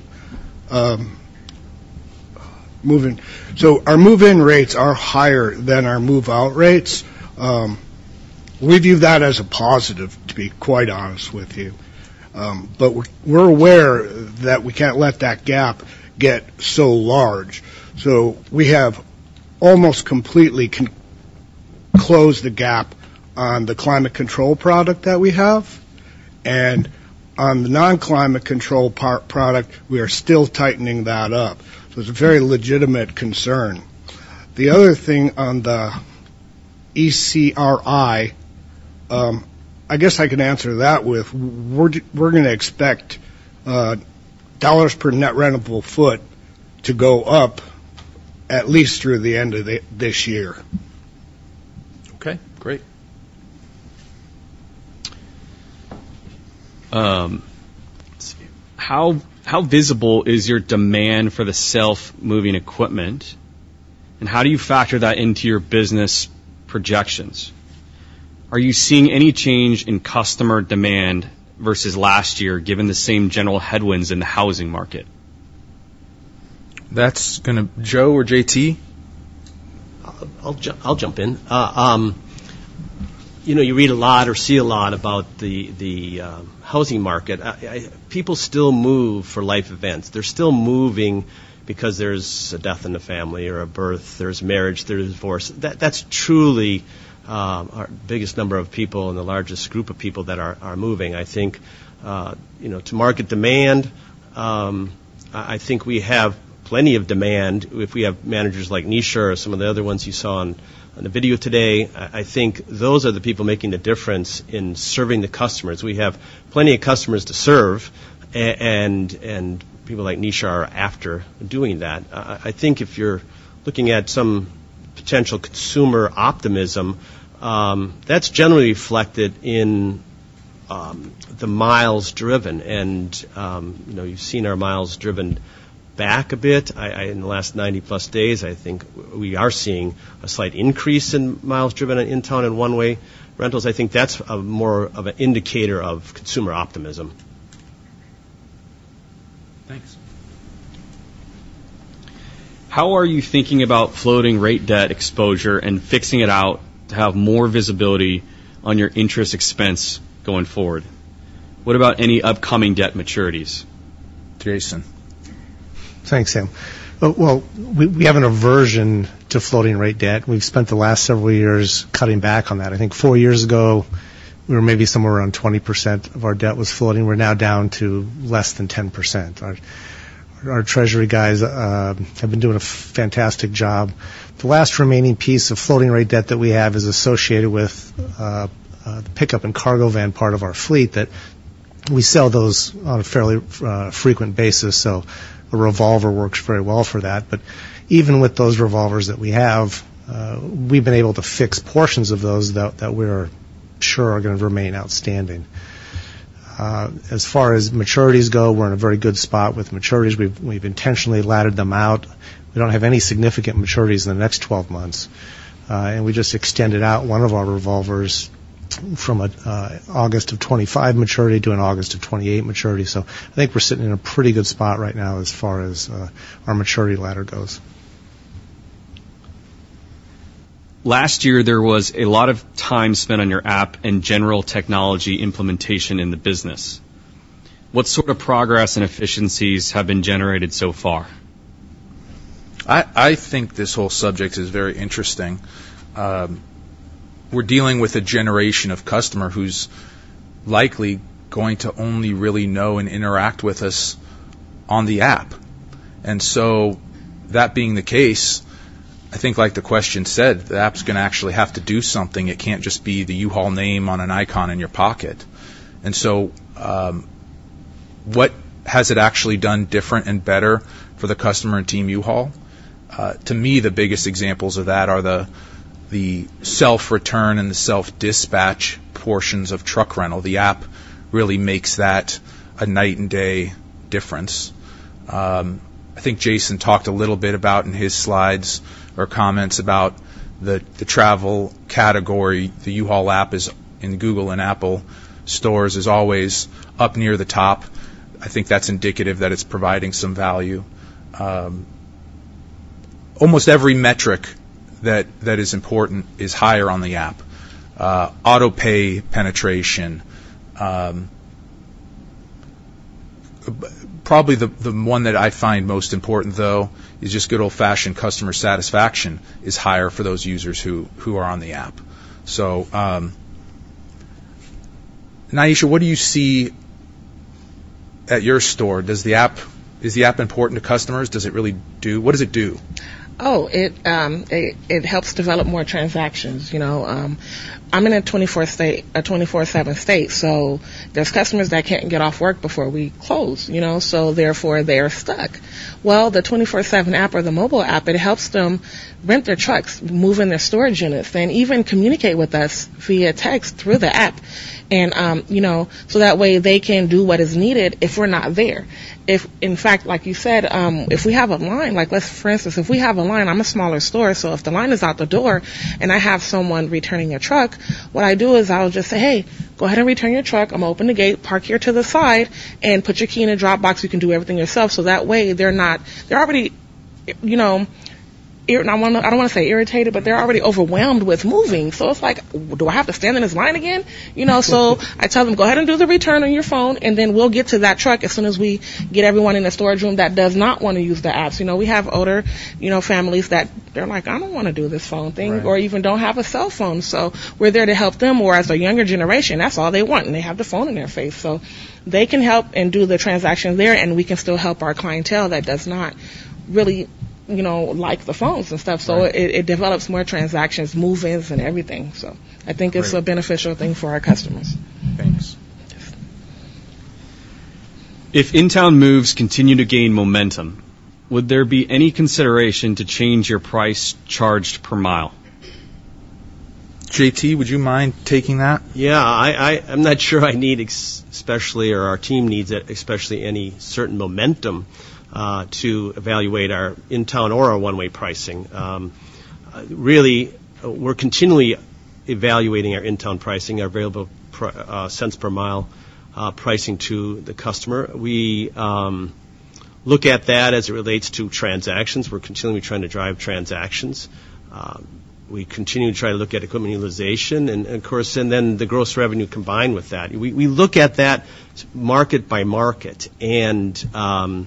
Move-in. So our move-in rates are higher than our move-out rates. We view that as a positive, to be quite honest with you. But we're, we're aware that we can't let that gap get so large. So we have almost completely closed the gap on the climate control product that we have, and on the non-climate control product, we are still tightening that up. So it's a very legitimate concern. The other thing on the ECRI, I guess I can answer that with, we're, we're gonna expect dollars per net rentable foot to go up at least through the end of this year. Okay, great. Let's see. How visible is your demand for the self-moving equipment, and how do you factor that into your business projections? Are you seeing any change in customer demand versus last year, given the same general headwinds in the housing market? That's gonna... Joe or J.T.? I'll jump in. You know, you read a lot or see a lot about the housing market. People still move for life events. They're still moving because there's a death in the family or a birth, there's marriage, there's divorce. That, that's truly our biggest number of people and the largest group of people that are moving. I think, you know, to market demand, I think we have plenty of demand. If we have managers like Neisha or some of the other ones you saw on the video today, I think those are the people making the difference in serving the customers. We have plenty of customers to serve, and people like Neisha are after doing that. I think if you're looking at some potential consumer optimism, that's generally reflected in-... The miles driven and, you know, you've seen our miles driven back a bit. I, in the last 90+ days, I think we are seeing a slight increase in miles driven in town and one-way rentals. I think that's a more of an indicator of consumer optimism. Thanks. How are you thinking about floating rate debt exposure and fixing it out to have more visibility on your interest expense going forward? What about any upcoming debt maturities? Jason? Thanks, Sam. Well, we have an aversion to floating rate debt. We've spent the last several years cutting back on that. I think four years ago, we were maybe somewhere around 20% of our debt was floating. We're now down to less than 10%. Our treasury guys have been doing a fantastic job. The last remaining piece of floating rate debt that we have is associated with the pickup and cargo van part of our fleet, that we sell those on a fairly frequent basis, so a revolver works very well for that. But even with those revolvers that we have, we've been able to fix portions of those that we're sure are going to remain outstanding. As far as maturities go, we're in a very good spot with maturities. We've intentionally laddered them out. We don't have any significant maturities in the next 12 months, and we just extended out one of our revolvers from a August 2025 maturity to an August 2028 maturity. So I think we're sitting in a pretty good spot right now as far as our maturity ladder goes. Last year, there was a lot of time spent on your app and general technology implementation in the business. What sort of progress and efficiencies have been generated so far? I think this whole subject is very interesting. We're dealing with a generation of customer who's likely going to only really know and interact with us on the app. And so that being the case, I think like the question said, the app's going to actually have to do something. It can't just be the U-Haul name on an icon in your pocket. And so, what has it actually done different and better for the customer and team U-Haul? To me, the biggest examples of that are the self-return and the self-dispatch portions of truck rental. The app really makes that a night and day difference. I think Jason talked a little bit about in his slides or comments about the travel category. The U-Haul app is in Google and Apple stores, is always up near the top. I think that's indicative that it's providing some value. Almost every metric that is important is higher on the app. Auto-pay penetration. Probably the one that I find most important, though, is just good old-fashioned customer satisfaction is higher for those users who are on the app. So, Neisha, what do you see at your store? Is the app important to customers? What does it do? Oh, it helps develop more transactions. You know, I'm in a 24-state, a 24/7 state, so there's customers that can't get off work before we close, you know, so therefore, they're stuck. Well, the 24/7 app or the mobile app, it helps them rent their trucks, move in their storage units, and even communicate with us via text through the app. And, you know, so that way, they can do what is needed if we're not there. If, in fact, like you said, if we have a line, like, let's for instance, if we have a line, I'm a smaller store, so if the line is out the door and I have someone returning a truck, what I do is I'll just say, "Hey, go ahead and return your truck. I'm open the gate, park here to the side, and put your key in a drop box. You can do everything yourself." So that way, they're not... They're already, you know, ir-- I don't want, I don't want to say irritated, but they're already overwhelmed with moving, so it's like, "Do I have to stand in this line again?" You know, so I tell them, "Go ahead and do the return on your phone, and then we'll get to that truck as soon as we get everyone in the storage room that does not want to use the apps." You know, we have older, you know, families that they're like, "I don't want to do this phone thing- Right. or even don't have a cell phone. So we're there to help them, or as a younger generation, that's all they want, and they have the phone in their face. So they can help and do the transaction there, and we can still help our clientele that does not really, you know, like the phones and stuff. Right. So it develops more transactions, move-ins, and everything. So- Great. I think it's a beneficial thing for our customers. Thanks. If in-town moves continue to gain momentum, would there be any consideration to change your price charged per mile? J.T., would you mind taking that? Yeah, I'm not sure I need especially, or our team needs especially any certain momentum to evaluate our in-town or our one-way pricing. Really, we're continually evaluating our in-town pricing, our available cents per mile pricing to the customer. We look at that as it relates to transactions. We're continually trying to drive transactions. We continue to try to look at equipment utilization and, of course, and then the gross revenue combined with that. We look at that market by market. And you know,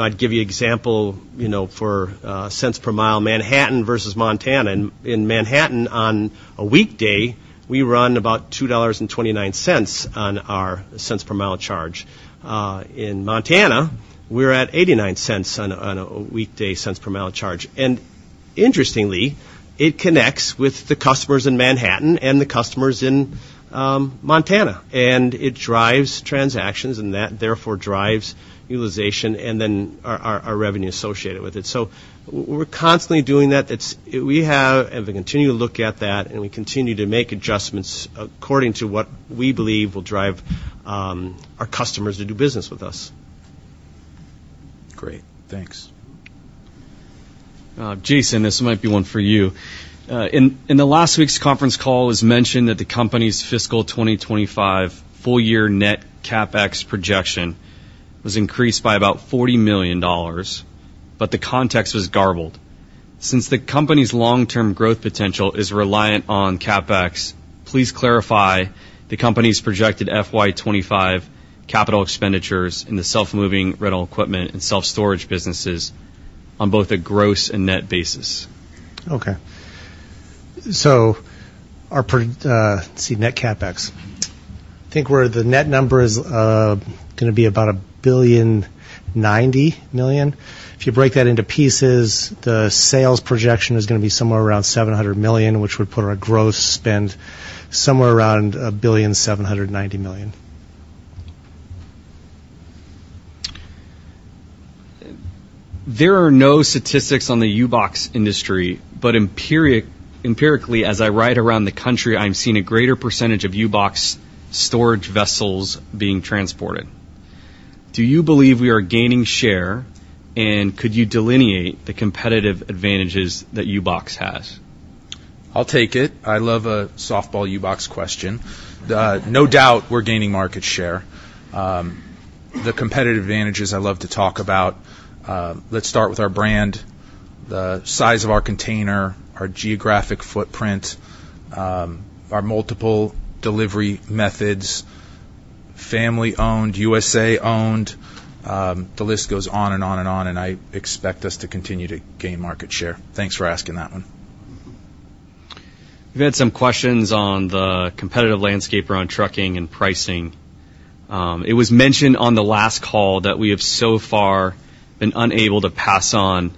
I'd give you example, you know, for cents per mile, Manhattan versus Montana. In Manhattan, on a weekday, we run about $2.29 on our cents per mile charge. In Montana, we're at $0.89 on a weekday cents per mile charge. Interestingly, it connects with the customers in Manhattan and the customers in Montana, and it drives transactions, and that, therefore, drives utilization and then our revenue associated with it. We're constantly doing that. We have, and we continue to look at that, and we continue to make adjustments according to what we believe will drive our customers to do business with us.... Great, thanks. Jason, this might be one for you. In the last week's conference call, it was mentioned that the company's fiscal 2025 full year net CapEx projection was increased by about $40 million, but the context was garbled. Since the company's long-term growth potential is reliant on CapEx, please clarify the company's projected FY 2025 capital expenditures in the self-moving rental equipment and self-storage businesses on both a gross and net basis. Okay. So our net CapEx. I think the net number is gonna be about $1.09 billion. If you break that into pieces, the sales projection is gonna be somewhere around $700 million, which would put our gross spend somewhere around $1.79 billion. There are no statistics on the U-Box industry, but empirically, as I ride around the country, I'm seeing a greater percentage of U-Box storage vessels being transported. Do you believe we are gaining share, and could you delineate the competitive advantages that U-Box has? I'll take it. I love a softball U-Box question. No doubt, we're gaining market share. The competitive advantages I love to talk about, let's start with our brand, the size of our container, our geographic footprint, our multiple delivery methods, family-owned, USA-owned. The list goes on and on and on, and I expect us to continue to gain market share. Thanks for asking that one. We've had some questions on the competitive landscape around trucking and pricing. It was mentioned on the last call that we have so far been unable to pass on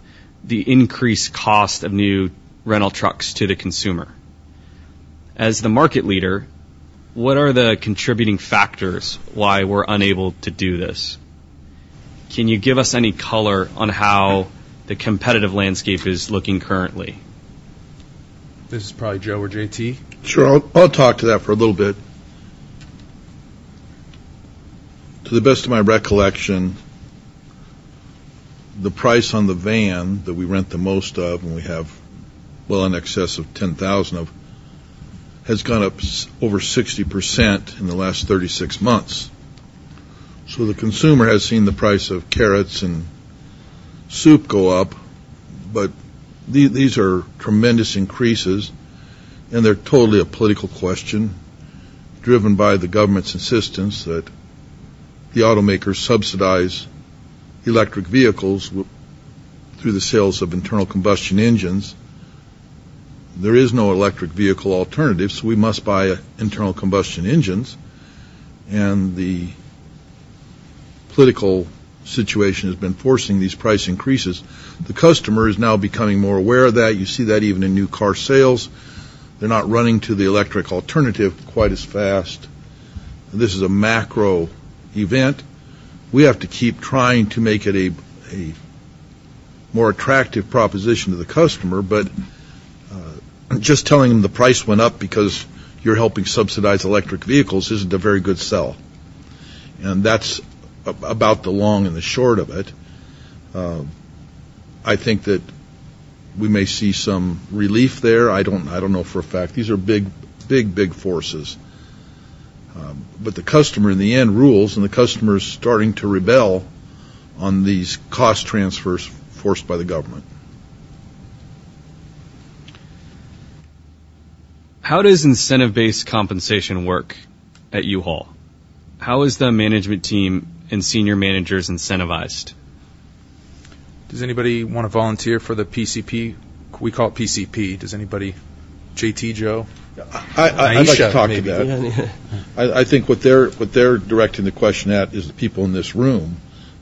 the increased cost of new rental trucks to the consumer. As the market leader, what are the contributing factors why we're unable to do this? Can you give us any color on how the competitive landscape is looking currently? This is probably Joe or J.T. Sure. I'll talk to that for a little bit. To the best of my recollection, the price on the van that we rent the most of, and we have well in excess of 10,000 of, has gone up over 60% in the last 36 months. So the consumer has seen the price of carrots and soup go up, but these are tremendous increases, and they're totally a political question, driven by the government's insistence that the automakers subsidize electric vehicles through the sales of internal combustion engines. There is no electric vehicle alternative, so we must buy internal combustion engines, and the political situation has been forcing these price increases. The customer is now becoming more aware of that. You see that even in new car sales, they're not running to the electric alternative quite as fast. This is a macro event. We have to keep trying to make it a more attractive proposition to the customer, but just telling them the price went up because you're helping subsidize electric vehicles isn't a very good sell, and that's about the long and the short of it. I think that we may see some relief there. I don't know for a fact. These are big, big, big forces. But the customer, in the end, rules, and the customer is starting to rebel on these cost transfers forced by the government. How does incentive-based compensation work at U-Haul? How is the management team and senior managers incentivized? Does anybody want to volunteer for the PCP? We call it PCP. Does anybody... J.T., Joe? I'd like to talk to that. I think what they're directing the question at is the people in this room,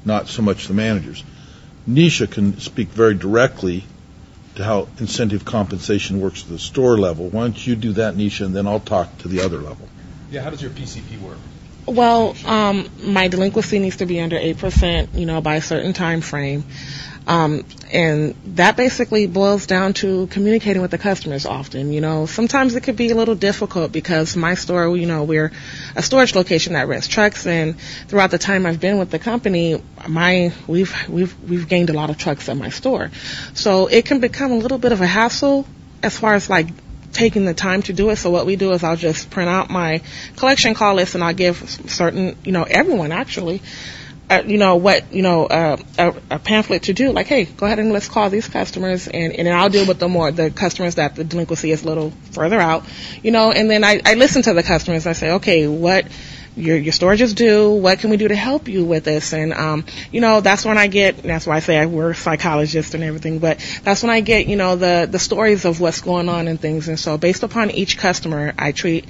not so much the managers. Neisha can speak very directly to how incentive compensation works at the store level. Why don't you do that, Neisha, and then I'll talk to the other level? Yeah. How does your PCP work? Well, my delinquency needs to be under 8%, you know, by a certain timeframe. And that basically boils down to communicating with the customers often. You know, sometimes it could be a little difficult because my store, you know, we're a storage location that rents trucks, and throughout the time I've been with the company, my... we've gained a lot of trucks at my store. So it can become a little bit of a hassle as far as, like, taking the time to do it. So what we do is I'll just print out my collection call list, and I'll give certain, you know, everyone, actually, you know what, you know, a pamphlet to do. Like, "Hey, go ahead and let's call these customers, and I'll deal with the more, the customers that the delinquency is a little further out." You know, and then I listen to the customers. I say, "Okay, what... Your storage is due. What can we do to help you with this?" And, you know, that's when I get-- That's why I say we're psychologists and everything, but that's when I get, you know, the stories of what's going on and things, and so based upon each customer, I treat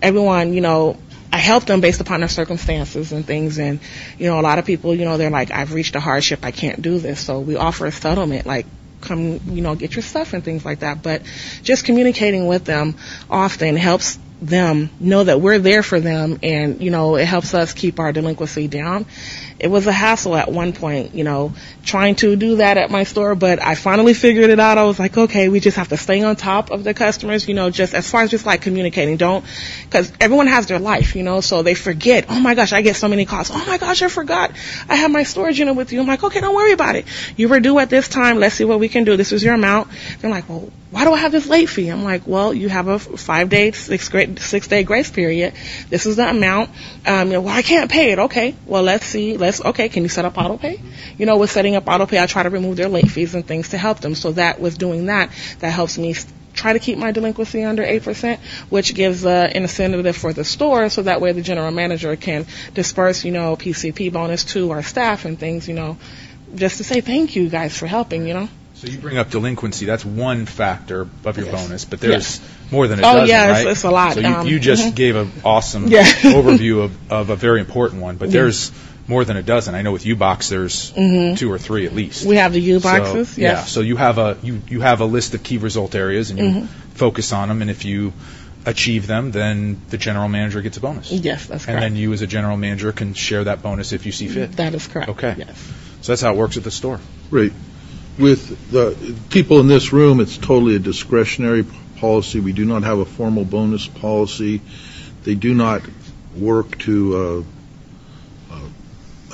everyone, you know-... I help them based upon their circumstances and things, and, you know, a lot of people, you know, they're like: "I've reached a hardship. I can't do this." So we offer a settlement, like, "Come, you know, get your stuff," and things like that. But just communicating with them often helps them know that we're there for them, and, you know, it helps us keep our delinquency down. It was a hassle at one point, you know, trying to do that at my store, but I finally figured it out. I was like: "Okay, we just have to stay on top of the customers," you know, just as far as just, like, communicating. Don't 'cause everyone has their life, you know, so they forget. Oh, my gosh, I get so many calls. "Oh, my gosh, I forgot I have my storage unit with you." I'm like: "Okay, don't worry about it. You were due at this time. Let's see what we can do. This is your amount." They're like, "Well, why do I have this late fee?" I'm like: "Well, you have a 5-day, 6-day grace period. This is the amount." "Well, I can't pay it." "Okay, well, let's see. Let's... Okay, can you set up auto pay?" You know, with setting up auto pay, I try to remove their late fees and things to help them, so that, with doing that, that helps me try to keep my delinquency under 8%, which gives an incentive for the store, so that way, the general manager can disperse, you know, PCP bonus to our staff and things, you know, just to say, "Thank you, guys, for helping," you know? So you bring up delinquency. That's one factor of your bonus- Yes. But there's more than a dozen, right? Oh, yes, it's a lot. Mm-hmm. You just gave an awesome- Yeah. overview of a very important one. Yeah. But there's more than a dozen. I know with U-Box there's- Mm-hmm... two or three at least. We have the U-Boxes. So- Yes. Yeah, so you have a list of key result areas- Mm-hmm... and you focus on them, and if you achieve them, then the general manager gets a bonus. Yes, that's correct. You, as a general manager, can share that bonus if you see fit. That is correct. Okay. Yes. That's how it works at the store. Great. With the people in this room, it's totally a discretionary policy. We do not have a formal bonus policy. They do not work to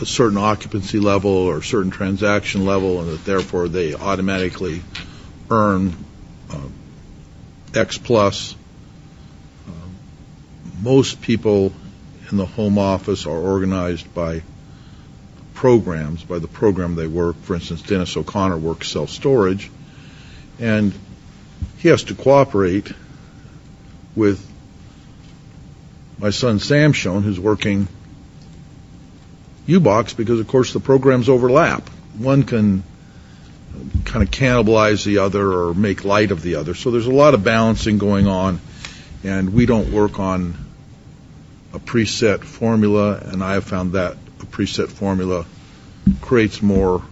a certain occupancy level or a certain transaction level, and that therefore, they automatically earn X plus. Most people in the home office are organized by programs, by the program they work. For instance, Dennis O'Connor works self-storage, and he has to cooperate with my son, Sam Shoen, who's working U-Box, because of course, the programs overlap. One can kind of cannibalize the other or make light of the other, so there's a lot of balancing going on, and we don't work on a preset formula, and I have found that a preset formula creates more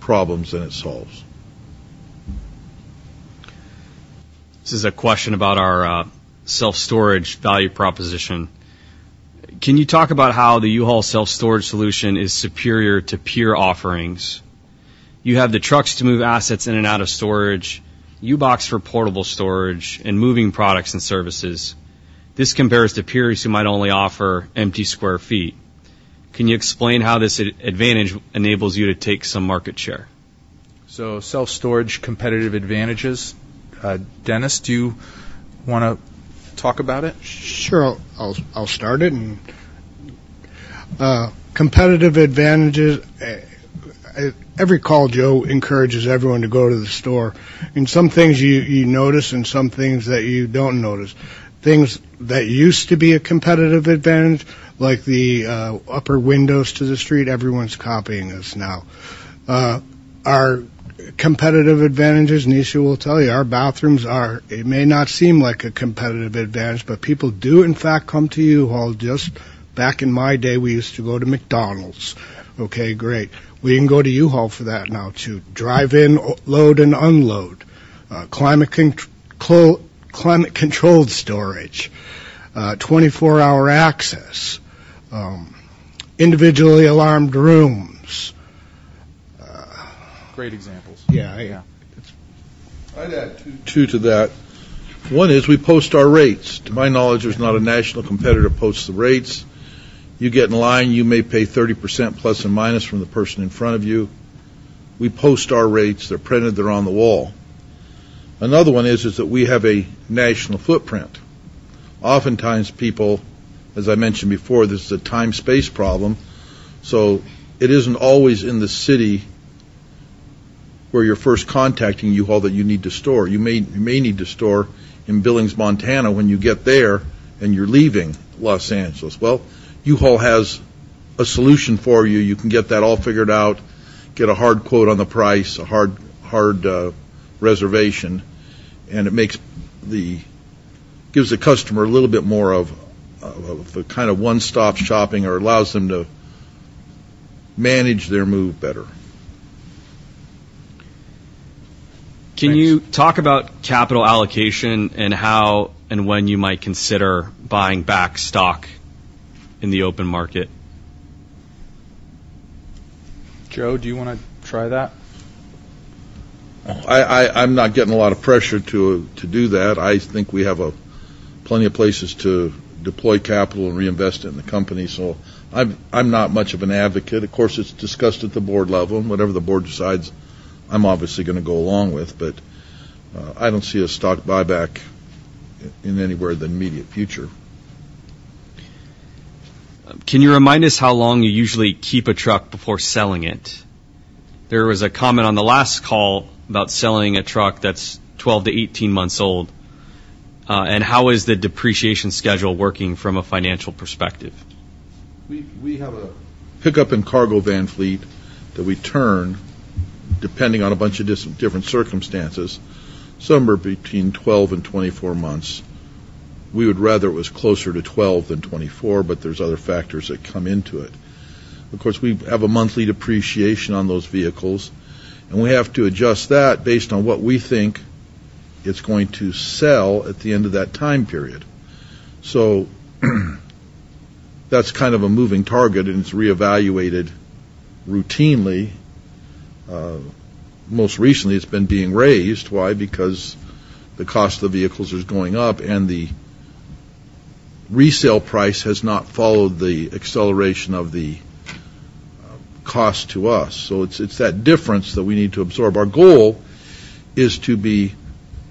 problems than it solves. This is a question about our self-storage value proposition. Can you talk about how the U-Haul self-storage solution is superior to peer offerings? You have the trucks to move assets in and out of storage, U-Box for portable storage and moving products and services. This compares to peers who might only offer empty square feet. Can you explain how this advantage enables you to take some market share? Self-storage competitive advantages. Dennis, do you wanna talk about it? Sure, I'll start it, and competitive advantages at every call, Joe encourages everyone to go to the store. Some things you notice and some things that you don't notice. Things that used to be a competitive advantage, like the upper windows to the street, everyone's copying us now. Our competitive advantages, Neisha will tell you, our bathrooms are... It may not seem like a competitive advantage, but people do, in fact, come to U-Haul. Just back in my day, we used to go to McDonald's. Okay, great. We can go to U-Haul for that now too. Drive in, load and unload, climate-controlled storage, 24-hour access, individually alarmed rooms. Great examples. Yeah, yeah. I'd add two to that. One is we post our rates. To my knowledge, there's not a national competitor who posts the rates. You get in line, you may pay 30% ± from the person in front of you. We post our rates. They're printed, they're on the wall. Another one is that we have a national footprint. Oftentimes, people, as I mentioned before, this is a time-space problem, so it isn't always in the city where you're first contacting U-Haul that you need to store. You may need to store in Billings, Montana, when you get there, and you're leaving Los Angeles. Well, U-Haul has a solution for you. You can get that all figured out, get a hard quote on the price, a hard, hard reservation, and it gives the customer a little bit more of a kind of one-stop shopping or allows them to manage their move better. Can you talk about capital allocation and how and when you might consider buying back stock in the open market? Joe, do you wanna try that? I'm not getting a lot of pressure to do that. I think we have plenty of places to deploy capital and reinvest it in the company, so I'm not much of an advocate. Of course, it's discussed at the board level, and whatever the board decides, I'm obviously gonna go along with, but I don't see a stock buyback in anywhere in the immediate future. Can you remind us how long you usually keep a truck before selling it? There was a comment on the last call about selling a truck that's 12-18 months old. And how is the depreciation schedule working from a financial perspective? We have a pickup and cargo van fleet that we turn-... depending on a bunch of different circumstances, somewhere between 12 and 24 months. We would rather it was closer to 12 than 24, but there's other factors that come into it. Of course, we have a monthly depreciation on those vehicles, and we have to adjust that based on what we think it's going to sell at the end of that time period. So, that's kind of a moving target, and it's reevaluated routinely. Most recently, it's been being raised. Why? Because the cost of vehicles is going up, and the resale price has not followed the acceleration of the cost to us. So it's, it's that difference that we need to absorb. Our goal is to be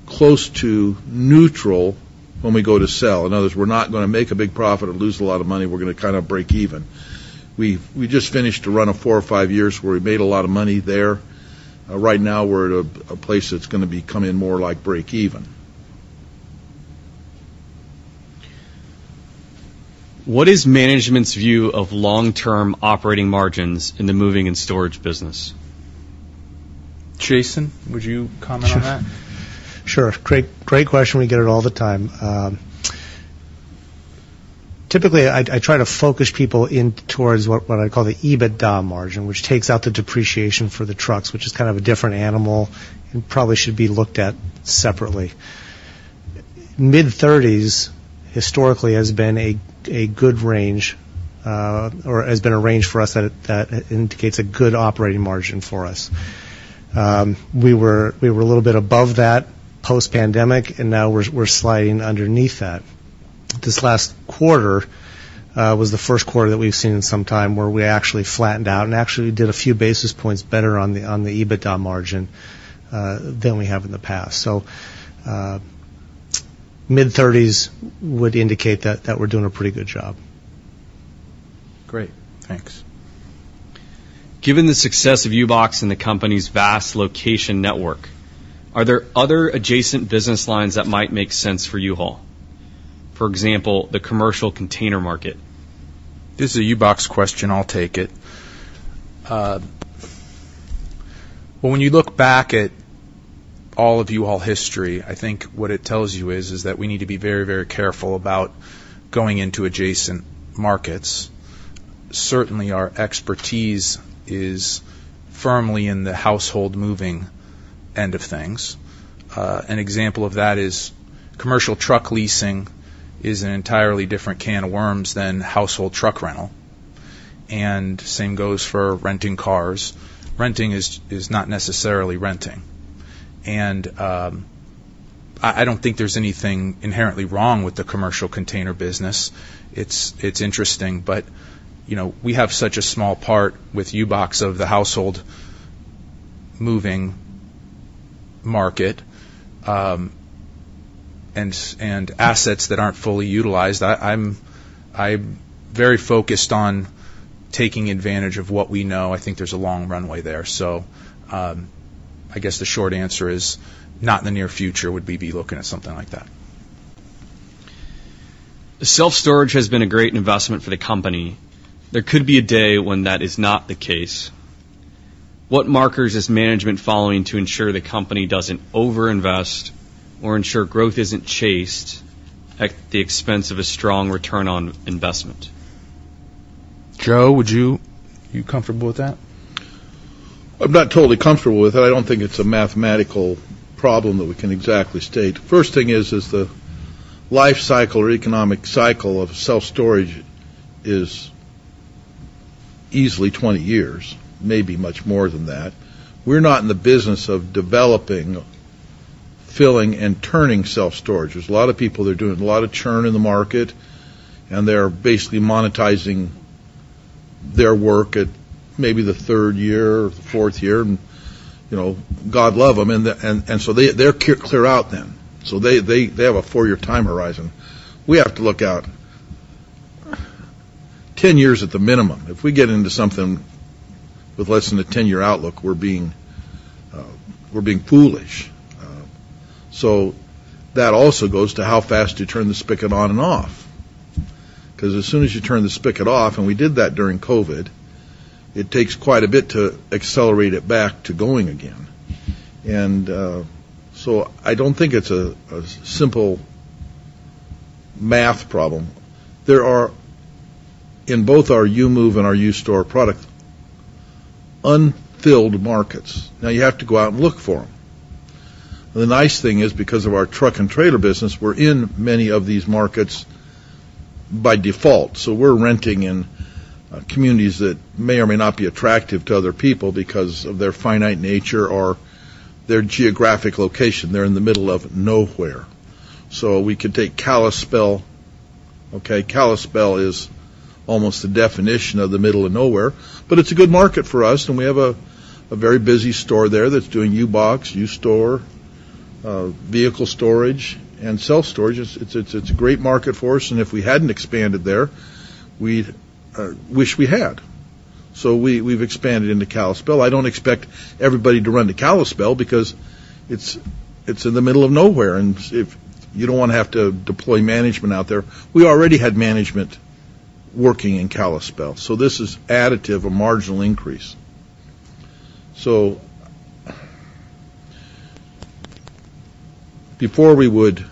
close to neutral when we go to sell. In other words, we're not gonna make a big profit or lose a lot of money. We're gonna kind of break even. We just finished a run of four or five years where we made a lot of money there. Right now, we're at a place that's gonna be coming in more like break even. What is management's view of long-term operating margins in the moving and storage business? Jason, would you comment on that? Sure. Great, great question. We get it all the time. Typically, I try to focus people in towards what I call the EBITDA margin, which takes out the depreciation for the trucks, which is kind of a different animal and probably should be looked at separately. Mid-thirties, historically, has been a good range, or has been a range for us that indicates a good operating margin for us. We were a little bit above that post-pandemic, and now we're sliding underneath that. This last quarter was the first quarter that we've seen in some time, where we actually flattened out and actually did a few basis points better on the EBITDA margin than we have in the past. So, mid-thirties would indicate that we're doing a pretty good job. Great, thanks. Given the success of U-Box and the company's vast location network, are there other adjacent business lines that might make sense for U-Haul? For example, the commercial container market. This is a U-Box question. I'll take it. Well, when you look back at all of U-Haul history, I think what it tells you is that we need to be very, very careful about going into adjacent markets. Certainly, our expertise is firmly in the household moving end of things. An example of that is commercial truck leasing is an entirely different can of worms than household truck rental, and same goes for renting cars. Renting is not necessarily renting. And I don't think there's anything inherently wrong with the commercial container business. It's interesting, but you know, we have such a small part with U-Box of the household moving market, and assets that aren't fully utilized. I'm very focused on taking advantage of what we know. I think there's a long runway there. I guess, the short answer is, not in the near future would we be looking at something like that. Self-storage has been a great investment for the company. There could be a day when that is not the case. What markers is management following to ensure the company doesn't overinvest or ensure growth isn't chased at the expense of a strong return on investment? Joe, would you... You comfortable with that? I'm not totally comfortable with it. I don't think it's a mathematical problem that we can exactly state. First thing is, the life cycle or economic cycle of self-storage is easily 20 years, maybe much more than that. We're not in the business of developing, filling, and turning self-storage. There's a lot of people that are doing a lot of churn in the market, and they're basically monetizing their work at maybe the third year or the fourth year, and, you know, God love them, and so they have a 4-year time horizon. We have to look out 10 years at the minimum. If we get into something with less than a 10-year outlook, we're being foolish. So that also goes to how fast you turn the spigot on and off. 'Cause as soon as you turn the spigot off, and we did that during COVID, it takes quite a bit to accelerate it back to going again. And, so I don't think it's a simple math problem. There are, in both our U-Move and our U-Store product, unfilled markets. Now, you have to go out and look for them. The nice thing is, because of our truck and trailer business, we're in many of these markets by default, so we're renting in communities that may or may not be attractive to other people because of their finite nature or their geographic location. They're in the middle of nowhere. So we could take Kalispell. Okay, Kalispell is almost the definition of the middle of nowhere, but it's a good market for us, and we have a very busy store there that's doing U-Box, U-Store, vehicle storage, and self-storage. It's a great market for us, and if we hadn't expanded there, we'd wish we had. So we've expanded into Kalispell. I don't expect everybody to run to Kalispell because it's in the middle of nowhere, and if you don't wanna have to deploy management out there, we already had management working in Kalispell. So this is additive, a marginal increase. So, before we would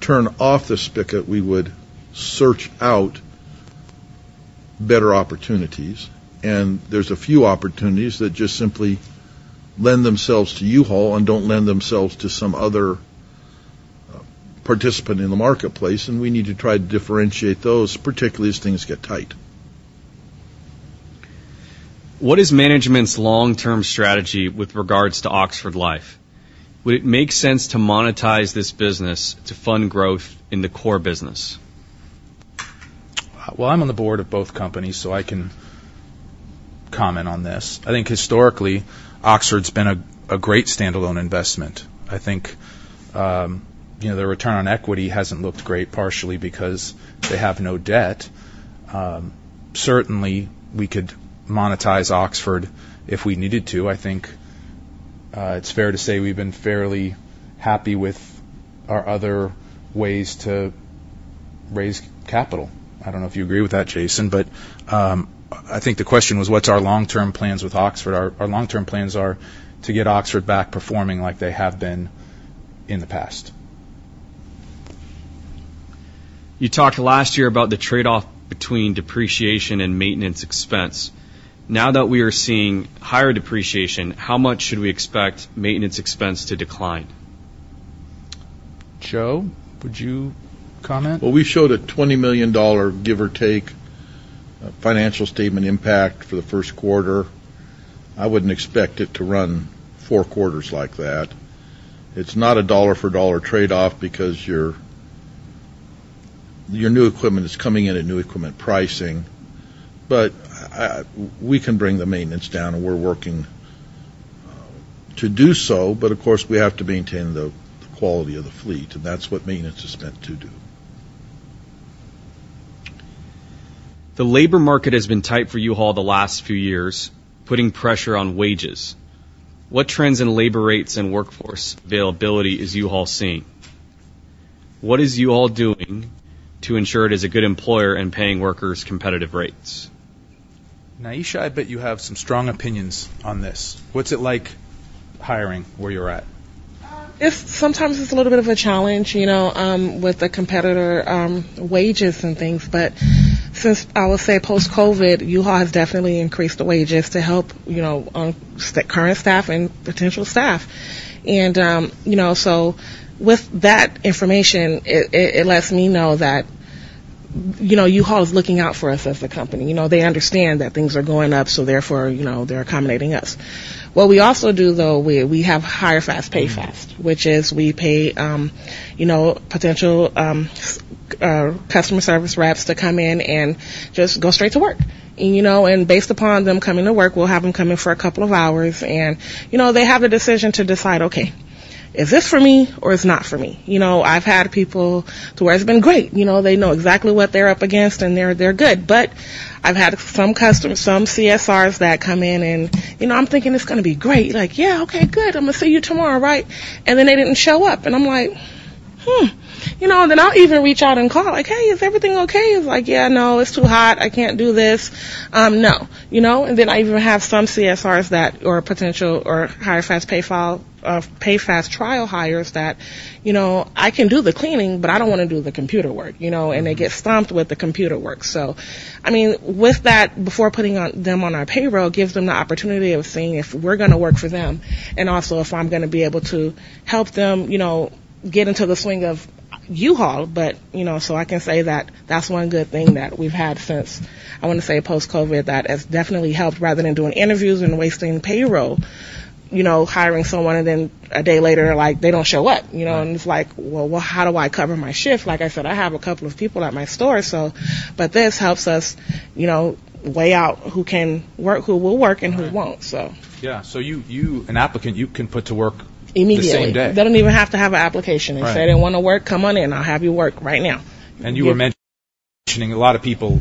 turn off the spigot, we would search out better opportunities, and there's a few opportunities that just simply lend themselves to U-Haul and don't lend themselves to some other, participant in the marketplace, and we need to try to differentiate those, particularly as things get tight. What is management's long-term strategy with regards to Oxford Life? Would it make sense to monetize this business to fund growth in the core business? Well, I'm on the board of both companies, so I can comment on this. I think historically, Oxford's been a great standalone investment. I think, you know, their return on equity hasn't looked great, partially because they have no debt. Certainly, we could monetize Oxford if we needed to. I think, it's fair to say we've been fairly happy with our other ways to raise capital. I don't know if you agree with that, Jason, but, I think the question was, what's our long-term plans with Oxford? Our long-term plans are to get Oxford back performing like they have been in the past. You talked last year about the trade-off between depreciation and maintenance expense. Now that we are seeing higher depreciation, how much should we expect maintenance expense to decline? Joe, would you comment? Well, we showed a $20 million, give or take, financial statement impact for the first quarter. I wouldn't expect it to run four quarters like that. It's not a dollar for dollar trade-off because your new equipment is coming in at new equipment pricing, but we can bring the maintenance down, and we're working to do so. But of course, we have to maintain the quality of the fleet, and that's what maintenance is meant to do. The labor market has been tight for U-Haul the last few years, putting pressure on wages. What trends in labor rates and workforce availability is U-Haul seeing? What is U-Haul doing to ensure it is a good employer and paying workers competitive rates? Neisha, I bet you have some strong opinions on this. What's it like hiring where you're at? It's sometimes it's a little bit of a challenge, you know, with the competitor wages and things. But since, I would say, post-COVID, U-Haul has definitely increased the wages to help, you know, the current staff and potential staff. And, you know, so with that information, it lets me know that, you know, U-Haul is looking out for us as a company. You know, they understand that things are going up, so therefore, you know, they're accommodating us. What we also do, though, we have Hire Fast, Pay Fast, which is we pay, you know, potential customer service reps to come in and just go straight to work. You know, based upon them coming to work, we'll have them come in for a couple of hours and, you know, they have a decision to decide, "Okay, is this for me or it's not for me?" You know, I've had people to where it's been great, you know, they know exactly what they're up against, and they're good. But I've had some CSRs that come in and, you know, I'm thinking it's gonna be great. Like, "Yeah, okay, good. I'm gonna see you tomorrow, right?" And then they didn't show up, and I'm like, "Hmm." You know, then I'll even reach out and call like, "Hey, is everything okay?" It's like, "Yeah, no, it's too hot. I can't do this." No. You know, and then I even have some CSRs, or potential Hire Fast, Pay Fast trial hires that, you know, "I can do the cleaning, but I don't wanna do the computer work," you know, and they get stumped with the computer work. So I mean, with that, before putting them on our payroll, gives them the opportunity of seeing if we're gonna work for them, and also if I'm gonna be able to help them, you know, get into the swing of U-Haul. But, you know, so I can say that that's one good thing that we've had since, I want to say, post-COVID, that has definitely helped, rather than doing interviews and wasting payroll. You know, hiring someone, and then a day later, like, they don't show up, you know? Right. And it's like, "Well, how do I cover my shift?" Like I said, I have a couple of people at my store, so... But this helps us, you know, weigh out who can work, who will work, and who won't, so. Yeah. So you, an applicant, you can put to work- Immediately. the same day. They don't even have to have an application. Right. If they wanna work, come on in, I'll have you work right now. You were mentioning, a lot of people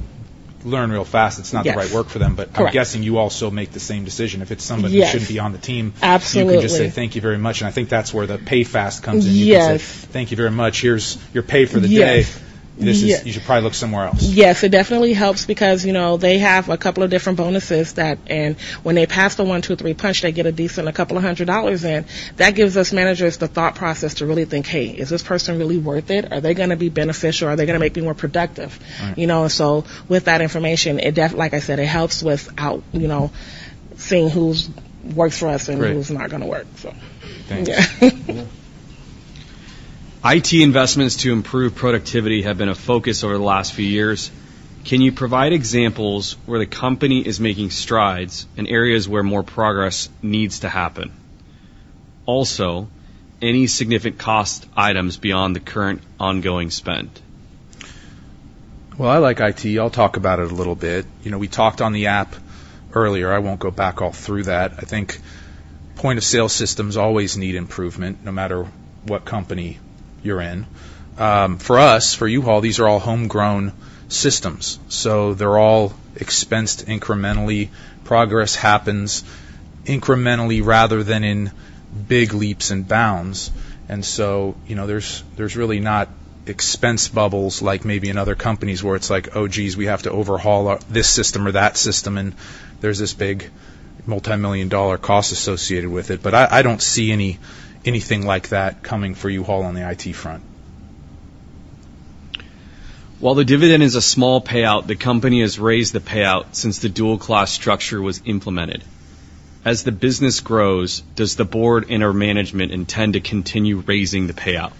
learn real fast- Yes. It's not the right work for them. Correct. But I'm guessing you also make the same decision. If it's somebody- Yes. who shouldn't be on the team Absolutely. You can just say, "Thank you very much." And I think that's where the Pay Fast comes in. Yes. You can say, "Thank you very much. Here's your pay for the day. Yes. You should probably look somewhere else. Yes, it definitely helps because, you know, they have a couple of different bonuses that... And when they pass the 1-2-3 Punch, they get a decent $200 in. That gives us, managers, the thought process to really think, "Hey, is this person really worth it? Are they gonna be beneficial, or are they gonna make me more productive? Right. You know, so with that information, like I said, it helps without, you know, seeing who works for us- Great and who's not gonna work, so. Thanks. Yeah. IT investments to improve productivity have been a focus over the last few years. Can you provide examples where the company is making strides and areas where more progress needs to happen? Also, any significant cost items beyond the current ongoing spend? Well, I like IT. I'll talk about it a little bit. You know, we talked on the app earlier. I won't go back all through that. I think point-of-sale systems always need improvement, no matter what company you're in. For us, for U-Haul, these are all homegrown systems, so they're all expensed incrementally. Progress happens incrementally rather than in big leaps and bounds. And so, you know, there's really not expense bubbles, like maybe in other companies where it's like, "Oh, geez, we have to overhaul our this system or that system, and there's this big multimillion-dollar cost associated with it." But I don't see anything like that coming for U-Haul on the IT front. While the dividend is a small payout, the company has raised the payout since the dual class structure was implemented. As the business grows, does the board and/or management intend to continue raising the payout?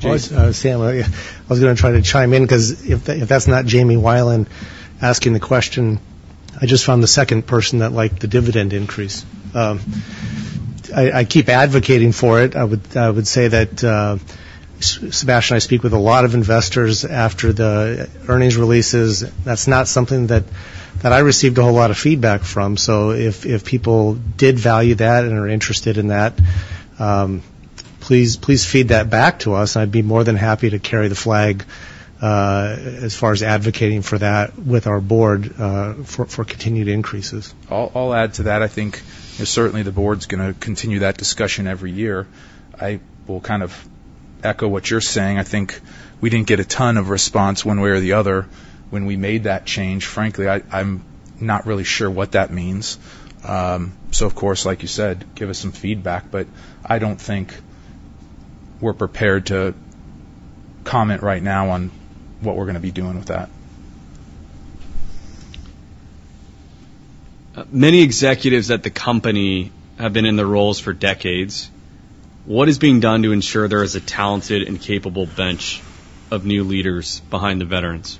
James? Sam, I was gonna try to chime in, 'cause if that's not Jamie Wilen asking the question, I just found the second person that liked the dividend increase. I keep advocating for it. I would say that, Sebastien, I speak with a lot of investors after the earnings releases. That's not something that I received a whole lot of feedback from. So if people did value that and are interested in that, please feed that back to us. I'd be more than happy to carry the flag as far as advocating for that with our board for continued increases. I'll add to that. I think certainly the board's gonna continue that discussion every year. I will kind of echo what you're saying. I think we didn't get a ton of response one way or the other when we made that change. Frankly, I'm not really sure what that means. So of course, like you said, give us some feedback, but I don't think we're prepared to comment right now on what we're gonna be doing with that. Many executives at the company have been in the roles for decades. What is being done to ensure there is a talented and capable bench of new leaders behind the veterans?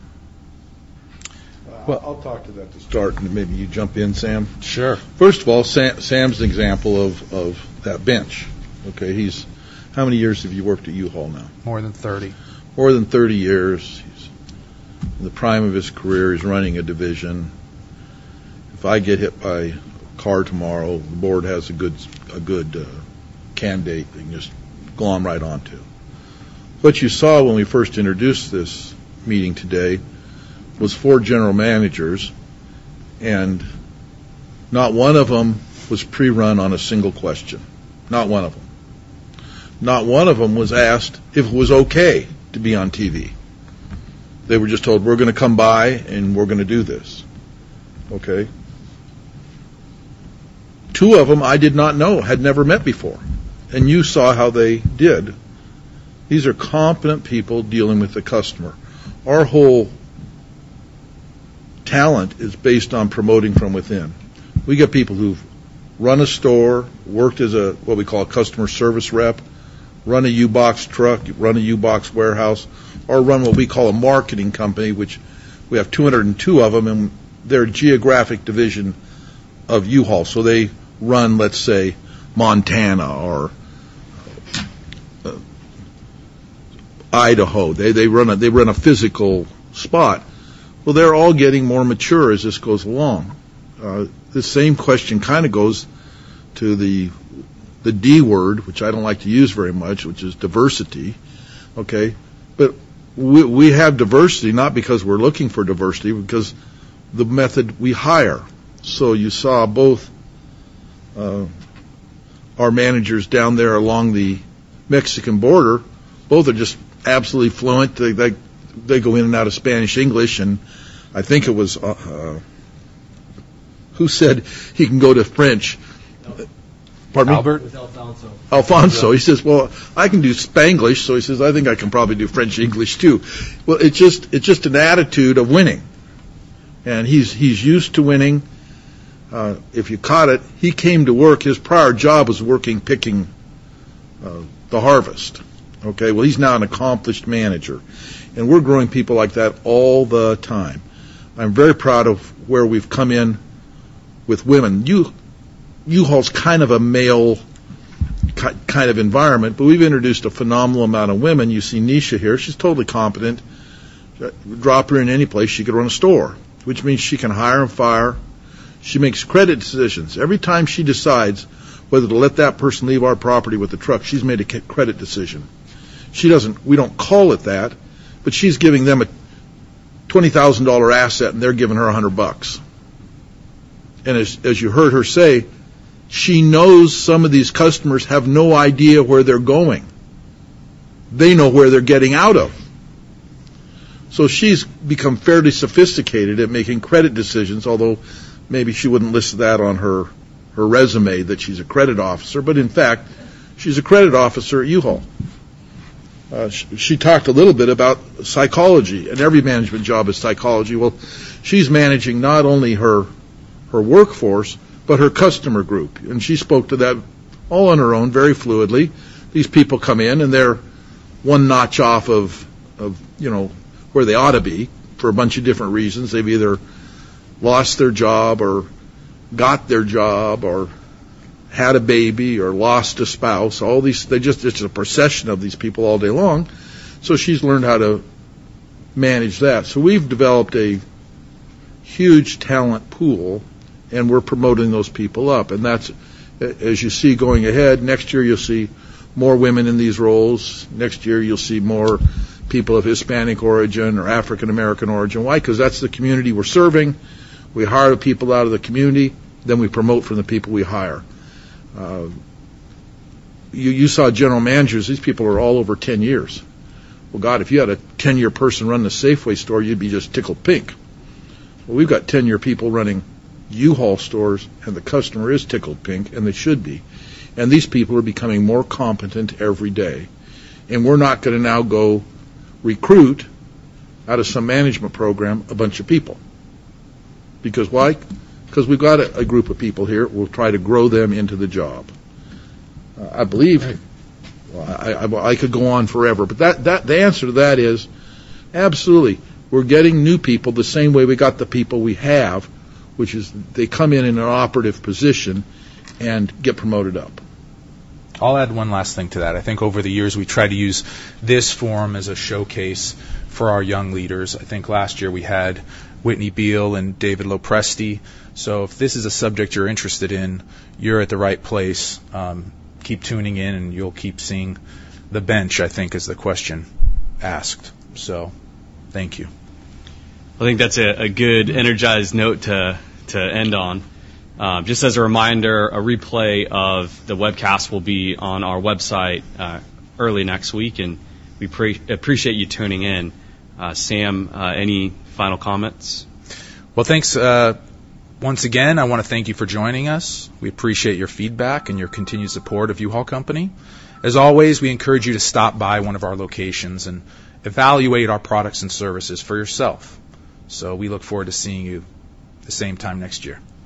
Well, I'll talk to that to start, and maybe you jump in, Sam. Sure. First of all, Sam's an example of that bench, okay? How many years have you worked at U-Haul now? More than 30. More than 30 years. He's in the prime of his career. He's running a division. If I get hit by a car tomorrow, the board has a good, a good candidate they can just go on right on to. What you saw when we first introduced this meeting today was four general managers, and not one of them was pre-run on a single question. Not one of them. Not one of them was asked if it was okay to be on TV. They were just told, "We're gonna come by, and we're gonna do this." Okay? Two of them, I did not know, had never met before, and you saw how they did. These are competent people dealing with the customer. Our whole talent is based on promoting from within. We get people who've run a store, worked as a, what we call, a customer service rep, run a U-Box truck, run a U-Box warehouse, or run what we call a marketing company, which we have 202 of them, and they're a geographic division of U-Haul. So they run, let's say, Montana or, Idaho. They run a physical spot. Well, they're all getting more mature as this goes along. The same question kind of goes to the D word, which I don't like to use very much, which is diversity, okay? But we have diversity, not because we're looking for diversity, because the method we hire. So you saw both our managers down there along the Mexican border. Both are just absolutely fluent. They, they, they go in and out of Spanish, English, and I think it was. Who said he can go to French? Pardon me? Albert. It was Alfonso. Alfonso. He says, "Well, I can do Spanglish." So he says, "I think I can probably do French, English, too." Well, it's just, it's just an attitude of winning, and he's, he's used to winning. If you caught it, he came to work. His prior job was working, picking the harvest, okay? Well, he's now an accomplished manager, and we're growing people like that all the time. I'm very proud of where we've come in with women. U-Haul is kind of a male kind of environment, but we've introduced a phenomenal amount of women. You see Neisha here. She's totally competent. Drop her in any place, she could run a store, which means she can hire and fire. She makes credit decisions. Every time she decides whether to let that person leave our property with a truck, she's made a credit decision. She doesn't. We don't call it that, but she's giving them a $20,000 asset, and they're giving her $100. And as you heard her say, she knows some of these customers have no idea where they're going. They know where they're getting out of. So she's become fairly sophisticated at making credit decisions, although maybe she wouldn't list that on her resume, that she's a credit officer, but in fact, she's a credit officer at U-Haul. She talked a little bit about psychology, and every management job is psychology. Well, she's managing not only her workforce, but her customer group, and she spoke to that all on her own, very fluidly. These people come in, and they're one notch off of you know where they ought to be for a bunch of different reasons. They've either lost their job or got their job or had a baby or lost a spouse. All these. They just, it's a procession of these people all day long, so she's learned how to manage that. So we've developed a huge talent pool, and we're promoting those people up, and that's, as you see going ahead, next year, you'll see more women in these roles. Next year, you'll see more people of Hispanic origin or African-American origin. Why? Because that's the community we're serving. We hire people out of the community, then we promote from the people we hire. You saw general managers. These people are all over 10 years. Well, God, if you had a 10-year person running a Safeway store, you'd be just tickled pink. Well, we've got 10-year people running U-Haul stores, and the customer is tickled pink, and they should be. And these people are becoming more competent every day, and we're not gonna now go recruit out of some management program, a bunch of people. Because why? Because we've got a group of people here, we'll try to grow them into the job. I believe, well, I could go on forever, but that, the answer to that is, absolutely, we're getting new people the same way we got the people we have, which is they come in in an operative position and get promoted up. I'll add one last thing to that. I think over the years, we tried to use this forum as a showcase for our young leaders. I think last year we had Whitney Beall and David LoPresti. So if this is a subject you're interested in, you're at the right place. Keep tuning in, and you'll keep seeing the bench, I think, is the question asked. So thank you. I think that's a good energized note to end on. Just as a reminder, a replay of the webcast will be on our website early next week, and we appreciate you tuning in. Sam, any final comments? Well, thanks. Once again, I wanna thank you for joining us. We appreciate your feedback and your continued support of U-Haul Company. As always, we encourage you to stop by one of our locations and evaluate our products and services for yourself. So we look forward to seeing you the same time next year.